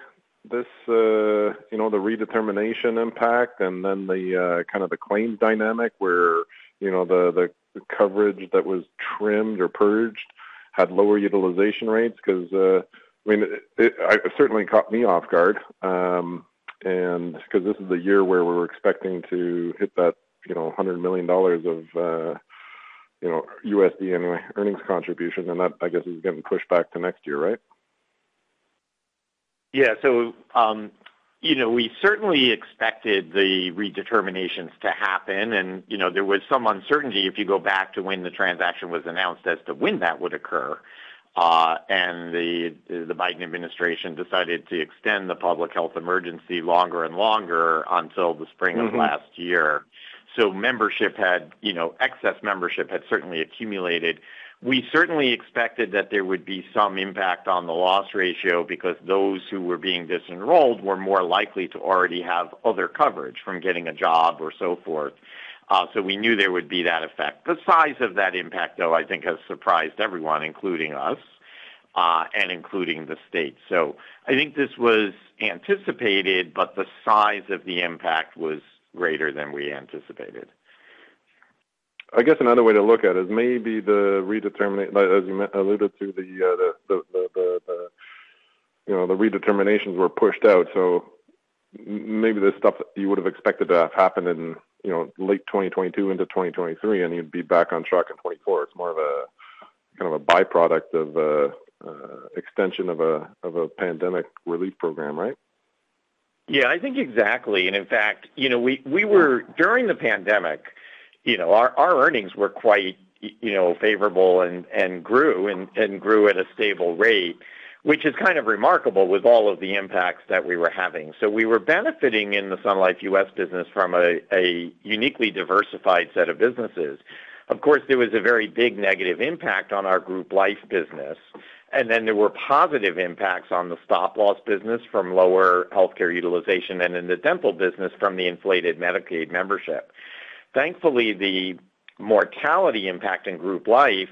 this, you know, the redetermination impact and then the, kind of the claims dynamic where, you know, the, the coverage that was trimmed or purged had lower utilization rates? 'Cause, I mean, it certainly caught me off guard, and 'cause this is the year where we were expecting to hit that, you know, $100 million of USD anyway, earnings contribution, and that, I guess, is getting pushed back to next year, right? Yeah, so, you know, we certainly expected the redeterminations to happen, and, you know, there was some uncertainty, if you go back to when the transaction was announced, as to when that would occur. The Biden administration decided to extend the Public Health Emergency longer and longer until the spring of last year. Mm-hmm. So membership had, you know, excess membership had certainly accumulated. We certainly expected that there would be some impact on the loss ratio because those who were being disenrolled were more likely to already have other coverage from getting a job or so forth. So we knew there would be that effect. The size of that impact, though, I think, has surprised everyone, including us, and including the state. So I think this was anticipated, but the size of the impact was greater than we anticipated. I guess another way to look at it is maybe the redeterminations as you alluded to, you know, the redeterminations were pushed out, so maybe the stuff that you would have expected to have happened in, you know, late 2022 into 2023, and you'd be back on track in 2024. It's more of a kind of a by-product of extension of a pandemic relief program, right? Yeah, I think exactly, and in fact, you know, we were during the pandemic, you know, our earnings were quite, you know, favorable and grew and grew at a stable rate, which is kind of remarkable with all of the impacts that we were having. So we were benefiting in the Sun Life U.S. business from a uniquely diversified set of businesses. Of course, there was a very big negative impact on our group life business, and then there were positive impacts on the stop-loss business from lower healthcare utilization and in the dental business from the inflated Medicaid membership. Thankfully, the mortality impact in group life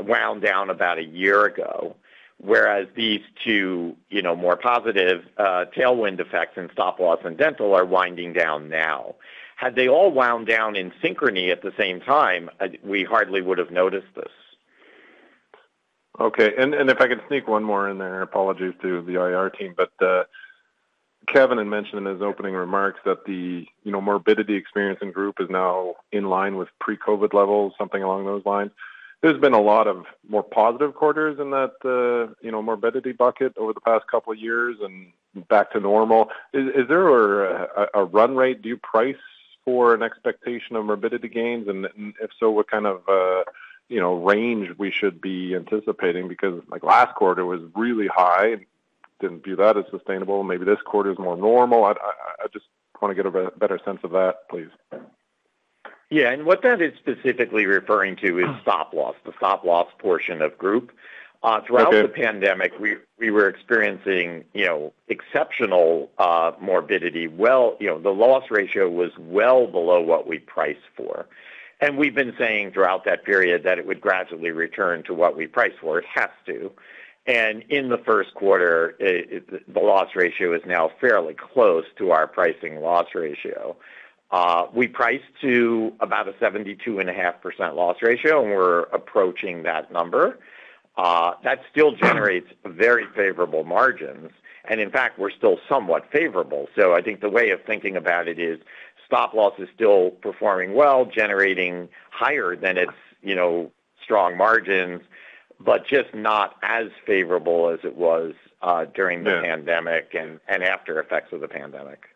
wound down about a year ago, whereas these two, you know, more positive tailwind effects in stop-loss and dental are winding down now. Had they all wound down in synchrony at the same time, I, we hardly would have noticed this. Okay, and if I could sneak one more in there, apologies to the IR team, but Kevin had mentioned in his opening remarks that the, you know, morbidity experience in group is now in line with pre-COVID levels, something along those lines. There's been a lot more positive quarters in that, you know, morbidity bucket over the past couple of years and back to normal. Is there a run rate due price for an expectation of morbidity gains? And if so, what kind of, you know, range we should be anticipating? Because, like, last quarter was really high. Didn't view that as sustainable. Maybe this quarter is more normal. I just wanna get a better sense of that, please. Yeah, and what that is specifically referring to is stop-loss, the stop-loss portion of group. Okay. Throughout the pandemic, we were experiencing, you know, exceptional morbidity. Well, you know, the loss ratio was well below what we priced for, and we've been saying throughout that period that it would gradually return to what we priced for. It has to. And in the first quarter, the loss ratio is now fairly close to our pricing loss ratio. We priced to about a 72.5% loss ratio, and we're approaching that number. That still generates very favorable margins, and in fact, we're still somewhat favorable. So I think the way of thinking about it is stop-loss is still performing well, generating higher than its, you know, strong margins, but just not as favorable as it was during- Yeah the pandemic and after effects of the pandemic.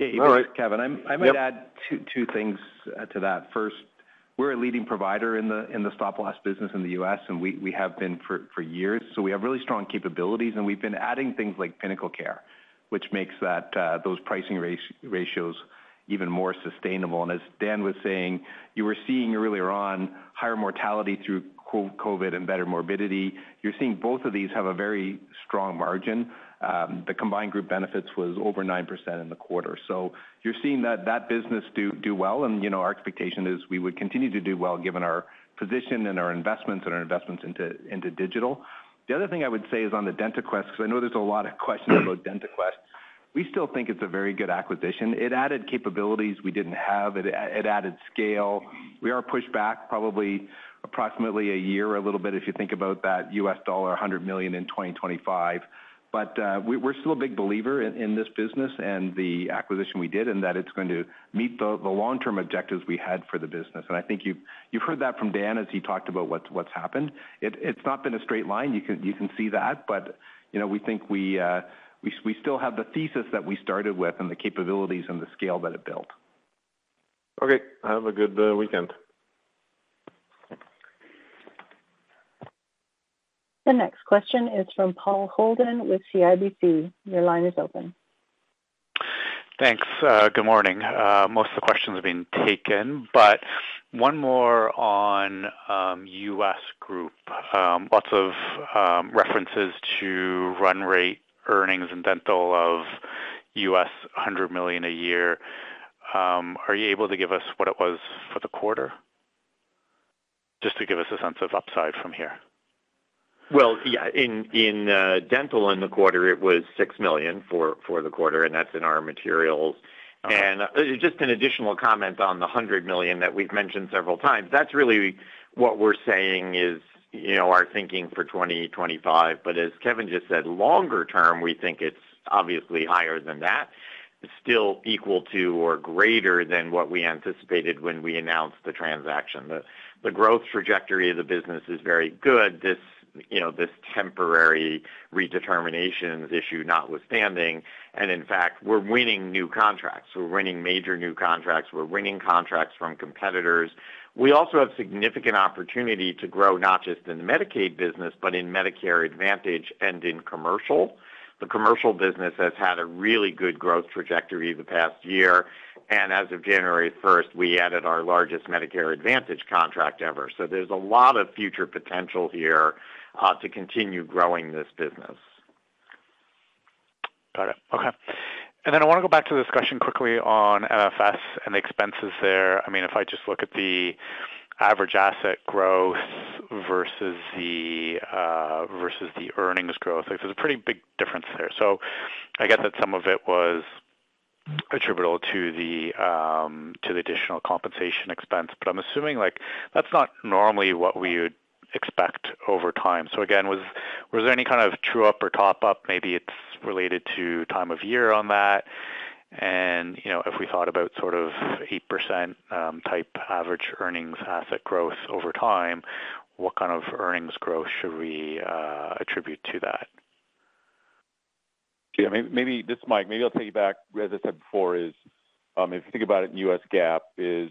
All right, Kevin. Yep. I might add two things to that. First, we're a leading provider in the stop-loss business in the U.S., and we have been for years, so we have really strong capabilities, and we've been adding things like PinnacleCare, which makes those pricing ratios even more sustainable. And as Dan was saying, you were seeing earlier on, higher mortality through COVID and better morbidity. You're seeing both of these have a very strong margin. The combined group benefits was over 9% in the quarter. So you're seeing that business do well, and, you know, our expectation is we would continue to do well, given our position and our investments into digital. The other thing I would say is on the DentaQuest, because I know there's a lot of questions about DentaQuest. We still think it's a very good acquisition. It added capabilities we didn't have. It added scale. We're pushed back probably approximately a year, a little bit, if you think about that $100 million in 2025. But we're still a big believer in this business and the acquisition we did, and that it's going to meet the long-term objectives we had for the business. And I think you've heard that from Dan as he talked about what's happened. It's not been a straight line. You can see that, but you know, we think we still have the thesis that we started with and the capabilities and the scale that it built. Okay, have a good weekend. The next question is from Paul Holden with CIBC. Your line is open. Thanks. Good morning. Most of the questions have been taken, but one more on U.S. group. Lots of references to run rate, earnings, and dental of U.S. $100 million a year. Are you able to give us what it was for the quarter? Just to give us a sense of upside from here. Well, yeah, in dental in the quarter, it was $6 million for the quarter, and that's in our materials. Just an additional comment on the $100 million that we've mentioned several times. That's really what we're saying is, you know, our thinking for 2025, but as Kevin just said, longer term, we think it's obviously higher than that. It's still equal to or greater than what we anticipated when we announced the transaction. The growth trajectory of the business is very good. You know, this temporary redeterminations issue notwithstanding, and in fact, we're winning new contracts. We're winning major new contracts. We're winning contracts from competitors. We also have significant opportunity to grow, not just in the Medicaid business, but in Medicare Advantage and in commercial. The commercial business has had a really good growth trajectory the past year, and as of January first, we added our largest Medicare Advantage contract ever. There's a lot of future potential here to continue growing this business. Got it. Okay. And then I wanna go back to the discussion quickly on MFS and the expenses there. I mean, if I just look at the average asset growth versus the versus the earnings growth, there's a pretty big difference there. So I get that some of it was attributable to the to the additional compensation expense, but I'm assuming, like, that's not normally what we would expect over time. So again, was there any kind of true up or top up? Maybe it's related to time of year on that. And, you know, if we thought about sort of 8% type average earnings asset growth over time, what kind of earnings growth should we attribute to that? Yeah, maybe... This is Mike. Maybe I'll take you back, as I said before, is, if you think about it, U.S. GAAP is,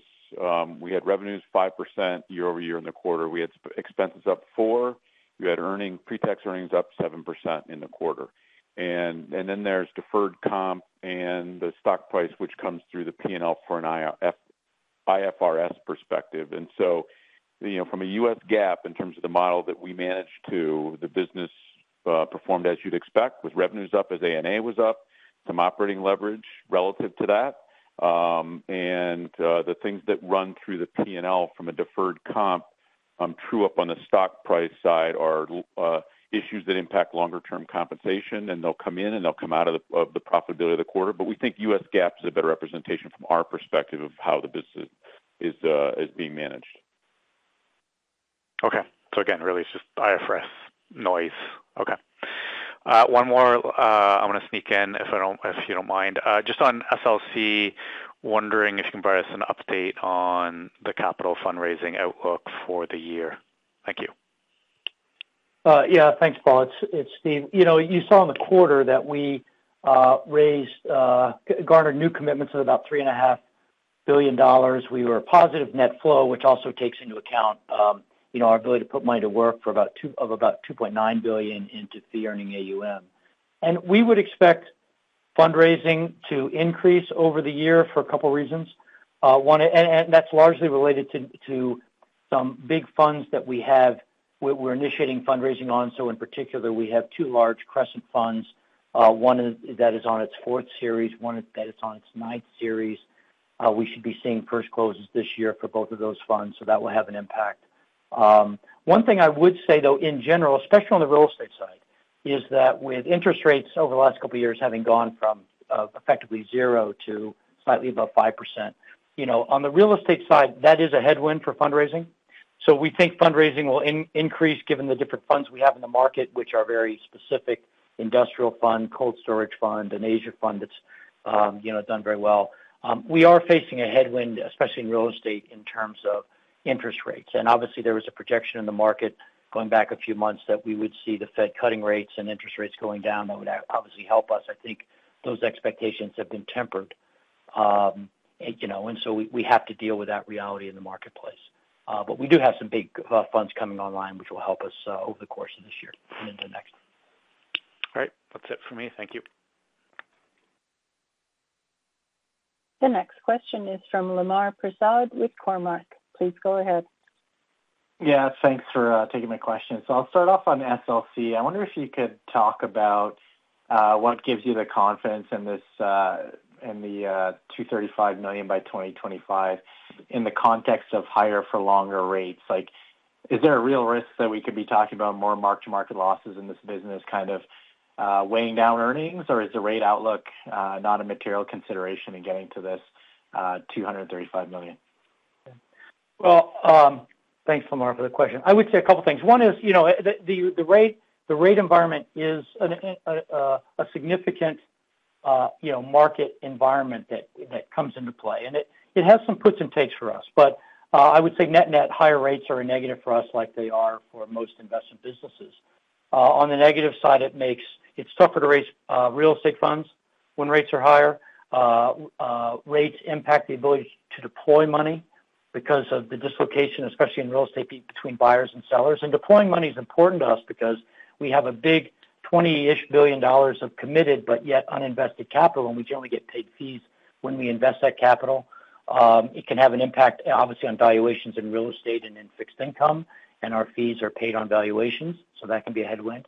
we had revenues 5% year-over-year in the quarter. We had expenses up 4%. We had earnings, pre-tax earnings up 7% in the quarter. And, and then there's deferred comp and the stock price, which comes through the P&L for an IFRS perspective. And so, you know, from a U.S. GAAP, in terms of the model that we managed to, the business performed as you'd expect, with revenues up as AUM was up.... some operating leverage relative to that. The things that run through the PNL from a deferred comp true up on the stock price side are issues that impact longer-term compensation, and they'll come in, and they'll come out of the profitability of the quarter. But we think US GAAP is a better representation from our perspective of how the business is being managed. Okay. So again, really, it's just IFRS noise. Okay. One more, I want to sneak in if I don't, if you don't mind. Just on SLC, wondering if you can provide us an update on the capital fundraising outlook for the year. Thank you. Yeah, thanks, Paul. It's Steve. You know, you saw in the quarter that we raised garnered new commitments of about 3.5 billion dollars. We were a positive net flow, which also takes into account, you know, our ability to put money to work for about 2.9 billion into fee-earning AUM. And we would expect fundraising to increase over the year for a couple reasons. One, and that's largely related to some big funds that we have, we're initiating fundraising on. So in particular, we have two large Crescent funds. One is on its fourth series, one is on its ninth series. We should be seeing first closes this year for both of those funds, so that will have an impact. One thing I would say, though, in general, especially on the real estate side, is that with interest rates over the last couple of years having gone from effectively zero to slightly above 5%, you know, on the real estate side, that is a headwind for fundraising. So we think fundraising will increase given the different funds we have in the market, which are very specific industrial fund, cold storage fund, and Asia fund that's, you know, done very well. We are facing a headwind, especially in real estate, in terms of interest rates. And obviously, there was a projection in the market going back a few months that we would see the Fed cutting rates and interest rates going down. That would obviously help us. I think those expectations have been tempered. You know, and so we have to deal with that reality in the marketplace. But we do have some big funds coming online, which will help us over the course of this year and into next. All right. That's it for me. Thank you. The next question is from Lemar Persaud with Cormark. Please go ahead. Yeah, thanks for taking my question. So I'll start off on SLC. I wonder if you could talk about what gives you the confidence in this in the 235 million by 2025, in the context of higher for longer rates? Like, is there a real risk that we could be talking about more mark-to-market losses in this business kind of weighing down earnings, or is the rate outlook not a material consideration in getting to this 235 million? Well, thanks, Lamar, for the question. I would say a couple of things. One is, you know, the rate environment is a significant, you know, market environment that comes into play, and it has some puts and takes for us. But I would say net-net, higher rates are a negative for us, like they are for most investment businesses. On the negative side, it's tougher to raise real estate funds when rates are higher. Rates impact the ability to deploy money because of the dislocation, especially in real estate, between buyers and sellers. And deploying money is important to us because we have a big $28 billion of committed, but yet uninvested capital, and we generally get paid fees when we invest that capital. It can have an impact, obviously, on valuations in real estate and in fixed income, and our fees are paid on valuations, so that can be a headwind.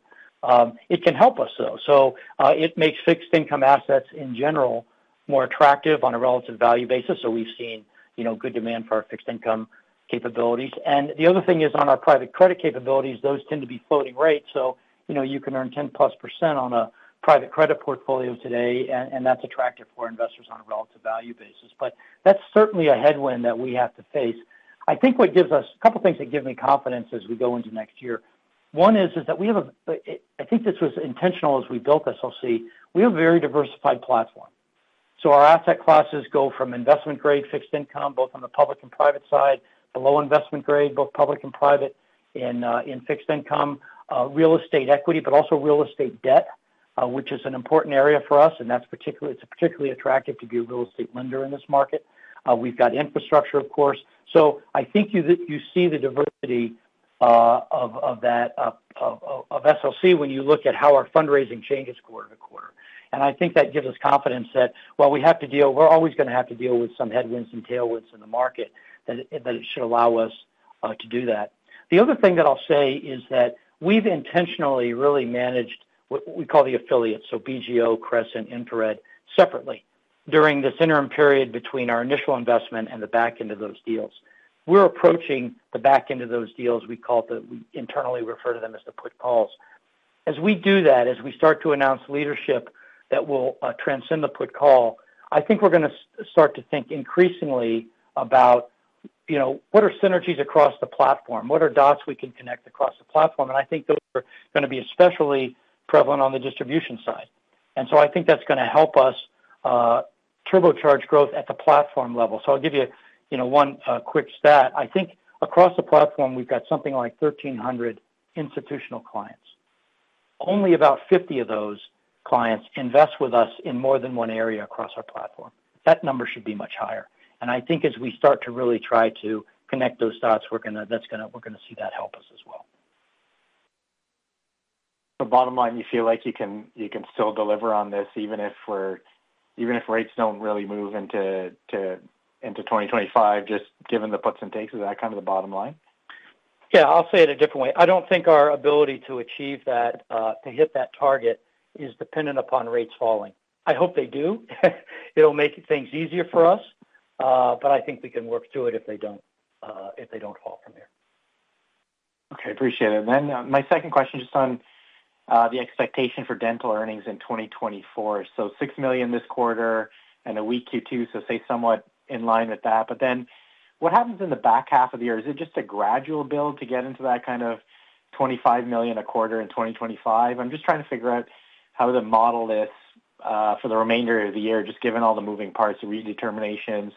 It can help us, though. So, it makes fixed income assets, in general, more attractive on a relative value basis. So we've seen, you know, good demand for our fixed income capabilities. And the other thing is, on our private credit capabilities, those tend to be floating rates, so you know, you can earn 10%+ on a private credit portfolio today, and that's attractive for investors on a relative value basis. But that's certainly a headwind that we have to face. I think what gives us... A couple of things that give me confidence as we go into next year. One is that we have a, I think this was intentional as we built SLC. We have a very diversified platform. So our asset classes go from investment-grade fixed income, both on the public and private side, to low investment grade, both public and private, in fixed income, real estate equity, but also real estate debt, which is an important area for us, and that's particularly, it's particularly attractive to be a real estate lender in this market. We've got infrastructure, of course. So I think you see the diversity of that of SLC when you look at how our fundraising changes quarter to quarter. And I think that gives us confidence that while we have to deal, we're always going to have to deal with some headwinds and tailwinds in the market, that it should allow us to do that. The other thing that I'll say is that we've intentionally really managed what we call the affiliates, so BGO, Crescent, Infrared, separately during this interim period between our initial investment and the back end of those deals. We're approaching the back end of those deals, we call it we internally refer to them as the put calls. As we do that, as we start to announce leadership that will transcend the put call, I think we're going to start to think increasingly about, you know, what are synergies across the platform? What are dots we can connect across the platform? And I think those are going to be especially prevalent on the distribution side. And so I think that's going to help us turbocharge growth at the platform level. So I'll give you, you know, one quick stat. I think across the platform, we've got something like 1,300 institutional clients. Only about 50 of those clients invest with us in more than one area across our platform. That number should be much higher. And I think as we start to really try to connect those dots, we're gonna see that help us as well. The bottom line, you feel like you can still deliver on this, even if rates don't really move into 2025, just given the puts and takes, is that kind of the bottom line?... Yeah, I'll say it a different way. I don't think our ability to achieve that, to hit that target is dependent upon rates falling. I hope they do. It'll make things easier for us, but I think we can work through it if they don't, if they don't fall from there. Okay, appreciate it. Then, my second question, just on, the expectation for dental earnings in 2024. So $6 million this quarter and a weak Q2, so say, somewhat in line with that. But then what happens in the back half of the year? Is it just a gradual build to get into that kind of $25 million a quarter in 2025? I'm just trying to figure out how to model this, for the remainder of the year, just given all the moving parts, the redeterminations,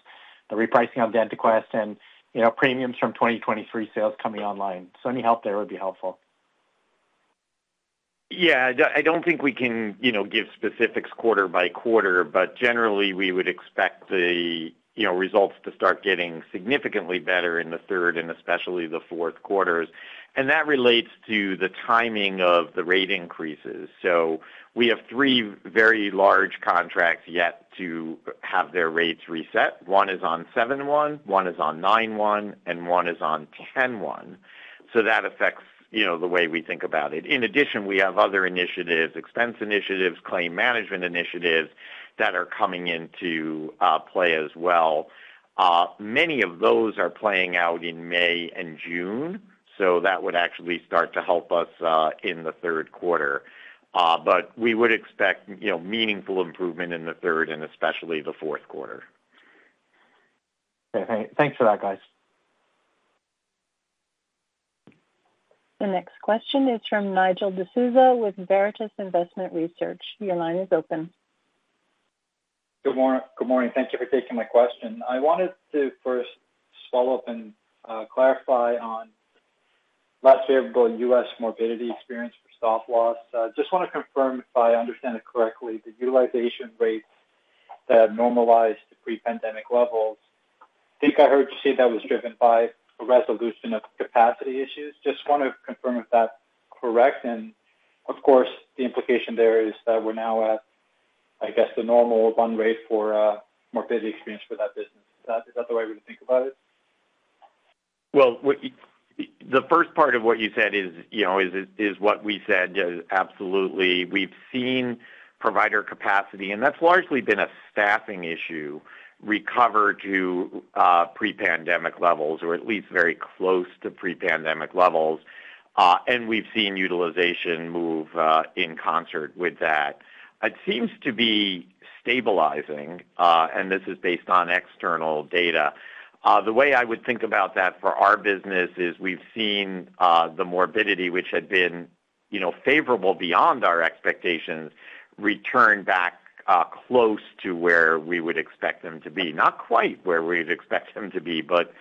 the repricing of DentaQuest, and, you know, premiums from 2023 sales coming online. So any help there would be helpful. Yeah, I don't think we can, you know, give specifics quarter by quarter, but generally, we would expect the, you know, results to start getting significantly better in the third and especially the fourth quarters, and that relates to the timing of the rate increases. So we have three very large contracts yet to have their rates reset. One is on 7/1, one is on 9/1, and one is on 10/1. So that affects, you know, the way we think about it. In addition, we have other initiatives, expense initiatives, claim management initiatives, that are coming into play as well. Many of those are playing out in May and June, so that would actually start to help us in the third quarter. But we would expect, you know, meaningful improvement in the third and especially the fourth quarter. Okay, thanks for that, guys. The next question is from Nigel D'Souza with Veritas Investment Research. Your line is open. Good morning. Thank you for taking my question. I wanted to first follow up and clarify on last year about US morbidity experience for stop-loss. Just want to confirm if I understand it correctly, the utilization rates that have normalized to pre-pandemic levels. I think I heard you say that was driven by a resolution of capacity issues. Just want to confirm if that's correct, and of course, the implication there is that we're now at, I guess, the normal run rate for a morbidity experience for that business. Is that the way we think about it? Well, what the first part of what you said is, you know, is, is what we said. Absolutely. We've seen provider capacity, and that's largely been a staffing issue, recover to pre-pandemic levels, or at least very close to pre-pandemic levels, and we've seen utilization move in concert with that. It seems to be stabilizing, and this is based on external data. The way I would think about that for our business is we've seen the morbidity, which had been, you know, favorable beyond our expectations, return back close to where we would expect them to be. Not quite where we'd expect them to be, but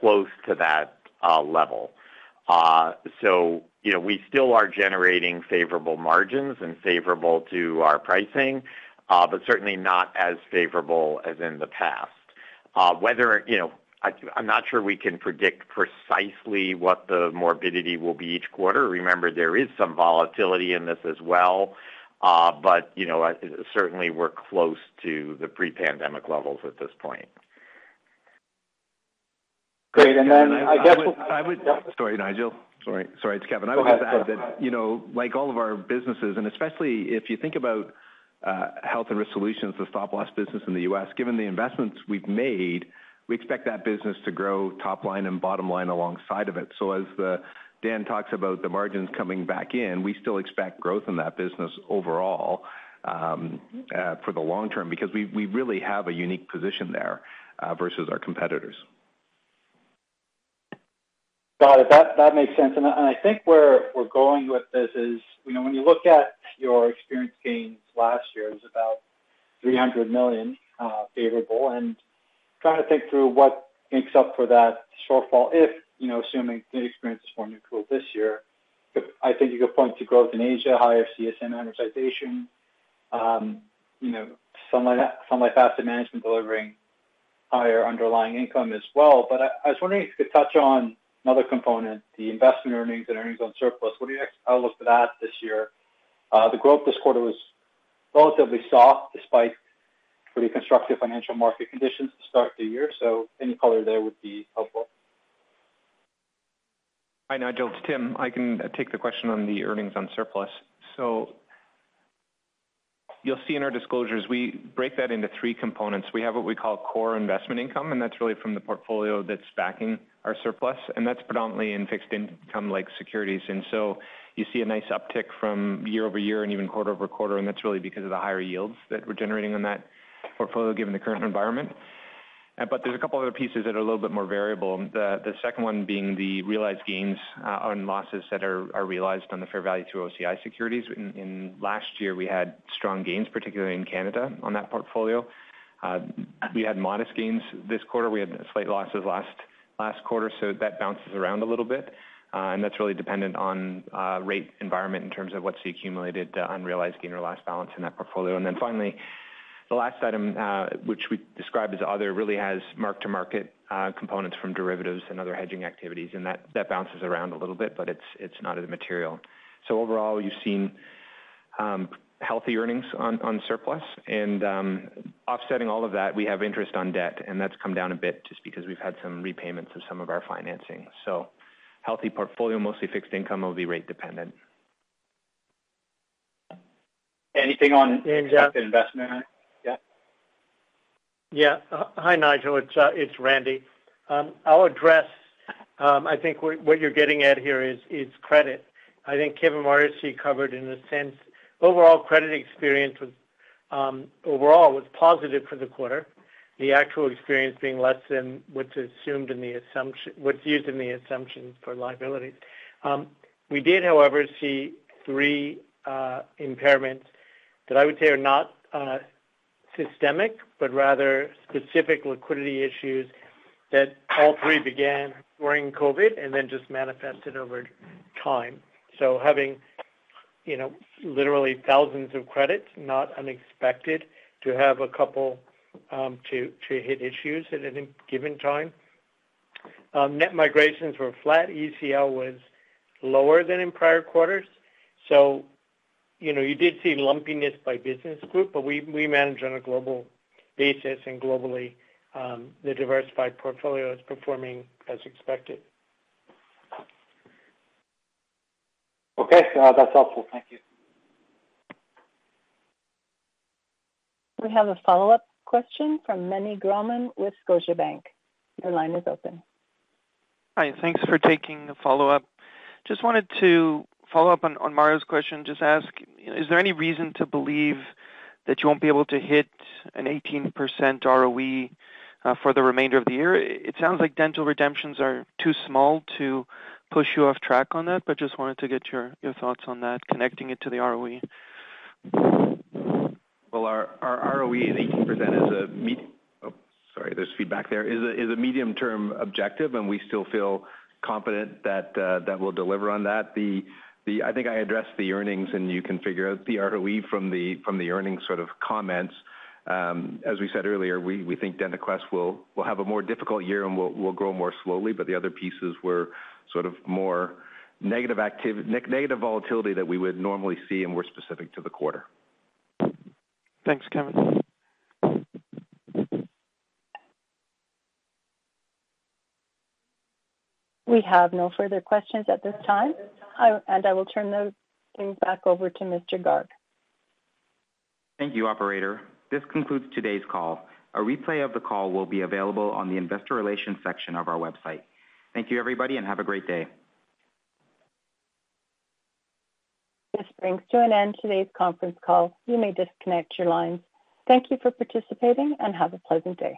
close to that level. So, you know, we still are generating favorable margins and favorable to our pricing, but certainly not as favorable as in the past. You know, I'm not sure we can predict precisely what the morbidity will be each quarter. Remember, there is some volatility in this as well, but, you know, certainly we're close to the pre-pandemic levels at this point. Great, and then I guess- I would... Sorry, Nigel. Sorry. Sorry, it's Kevin. Go ahead. I would just add that, you know, like all of our businesses, and especially if you think about, health and risk solutions, the stop-loss business in the U.S., given the investments we've made, we expect that business to grow top line and bottom line alongside of it. So as Dan talks about the margins coming back in, we still expect growth in that business overall, for the long term, because we, we really have a unique position there, versus our competitors. Got it. That makes sense. And I think where we're going with this is, you know, when you look at your experience gains last year, it was about 300 million favorable, and trying to think through what makes up for that shortfall if, you know, assuming the experience is more neutral this year. I think you could point to growth in Asia, higher CSM amortization, you know, some like that, some like asset management delivering higher underlying income as well. But I was wondering if you could touch on another component, the investment earnings and earnings on surplus. What do you expect out of that this year? The growth this quarter was relatively soft, despite pretty constructive financial market conditions to start the year. So any color there would be helpful. Hi, Nigel, it's Tim. I can take the question on the earnings on surplus. So you'll see in our disclosures, we break that into three components. We have what we call core investment income, and that's really from the portfolio that's backing our surplus, and that's predominantly in fixed income like securities. And so you see a nice uptick from year-over-year and even quarter-over-quarter, and that's really because of the higher yields that we're generating on that portfolio, given the current environment. But there's a couple other pieces that are a little bit more variable. The second one being the realized gains and losses that are realized on the fair value to OCI securities. Last year, we had strong gains, particularly in Canada, on that portfolio. We had modest gains this quarter. We had slight losses last quarter, so that bounces around a little bit, and that's really dependent on rate environment in terms of what's the accumulated unrealized gain or loss balance in that portfolio. And then finally, the last item, which we describe as other, really has mark-to-market components from derivatives and other hedging activities, and that bounces around a little bit, but it's not as material. So overall, you've seen- healthy earnings on surplus. Offsetting all of that, we have interest on debt, and that's come down a bit just because we've had some repayments of some of our financing. Healthy portfolio, mostly fixed income, will be rate dependent. Anything on expected investment? Yeah. Yeah. Hi, Nigel. It's Randy. I'll address, I think what you're getting at here is credit. I think Kevin Morrissey covered in a sense, overall credit experience was overall positive for the quarter, the actual experience being less than what's used in the assumptions for liabilities. We did, however, see three impairments that I would say are not systemic, but rather specific liquidity issues that all three began during COVID and then just manifested over time. So having, you know, literally thousands of credits, not unexpected to have a couple to hit issues at any given time. Net migrations were flat. ECL was lower than in prior quarters. You know, you did see lumpiness by business group, but we manage on a global basis, and globally, the diversified portfolio is performing as expected. Okay, that's helpful. Thank you. We have a follow-up question from Meny Grauman with Scotiabank. Your line is open. Hi, thanks for taking the follow-up. Just wanted to follow up on, on Mario's question, just ask, is there any reason to believe that you won't be able to hit an 18% ROE for the remainder of the year? It sounds like dental redemptions are too small to push you off track on that, but just wanted to get your thoughts on that, connecting it to the ROE. Well, our, our ROE at 18% is a mid... Oh, sorry, there's feedback there. Is a, is a medium-term objective, and we still feel confident that, that we'll deliver on that. The, the-- I think I addressed the earnings, and you can figure out the ROE from the, from the earnings sort of comments. As we said earlier, we, we think DentaQuest will, will have a more difficult year and will, will grow more slowly, but the other pieces were sort of more negative volatility that we would normally see and were specific to the quarter. Thanks, Kevin. We have no further questions at this time, and I will turn those things back over to Mr. Garg. Thank you, operator. This concludes today's call. A replay of the call will be available on the investor relations section of our website. Thank you, everybody, and have a great day. This brings to an end today's conference call. You may disconnect your lines. Thank you for participating, and have a pleasant day.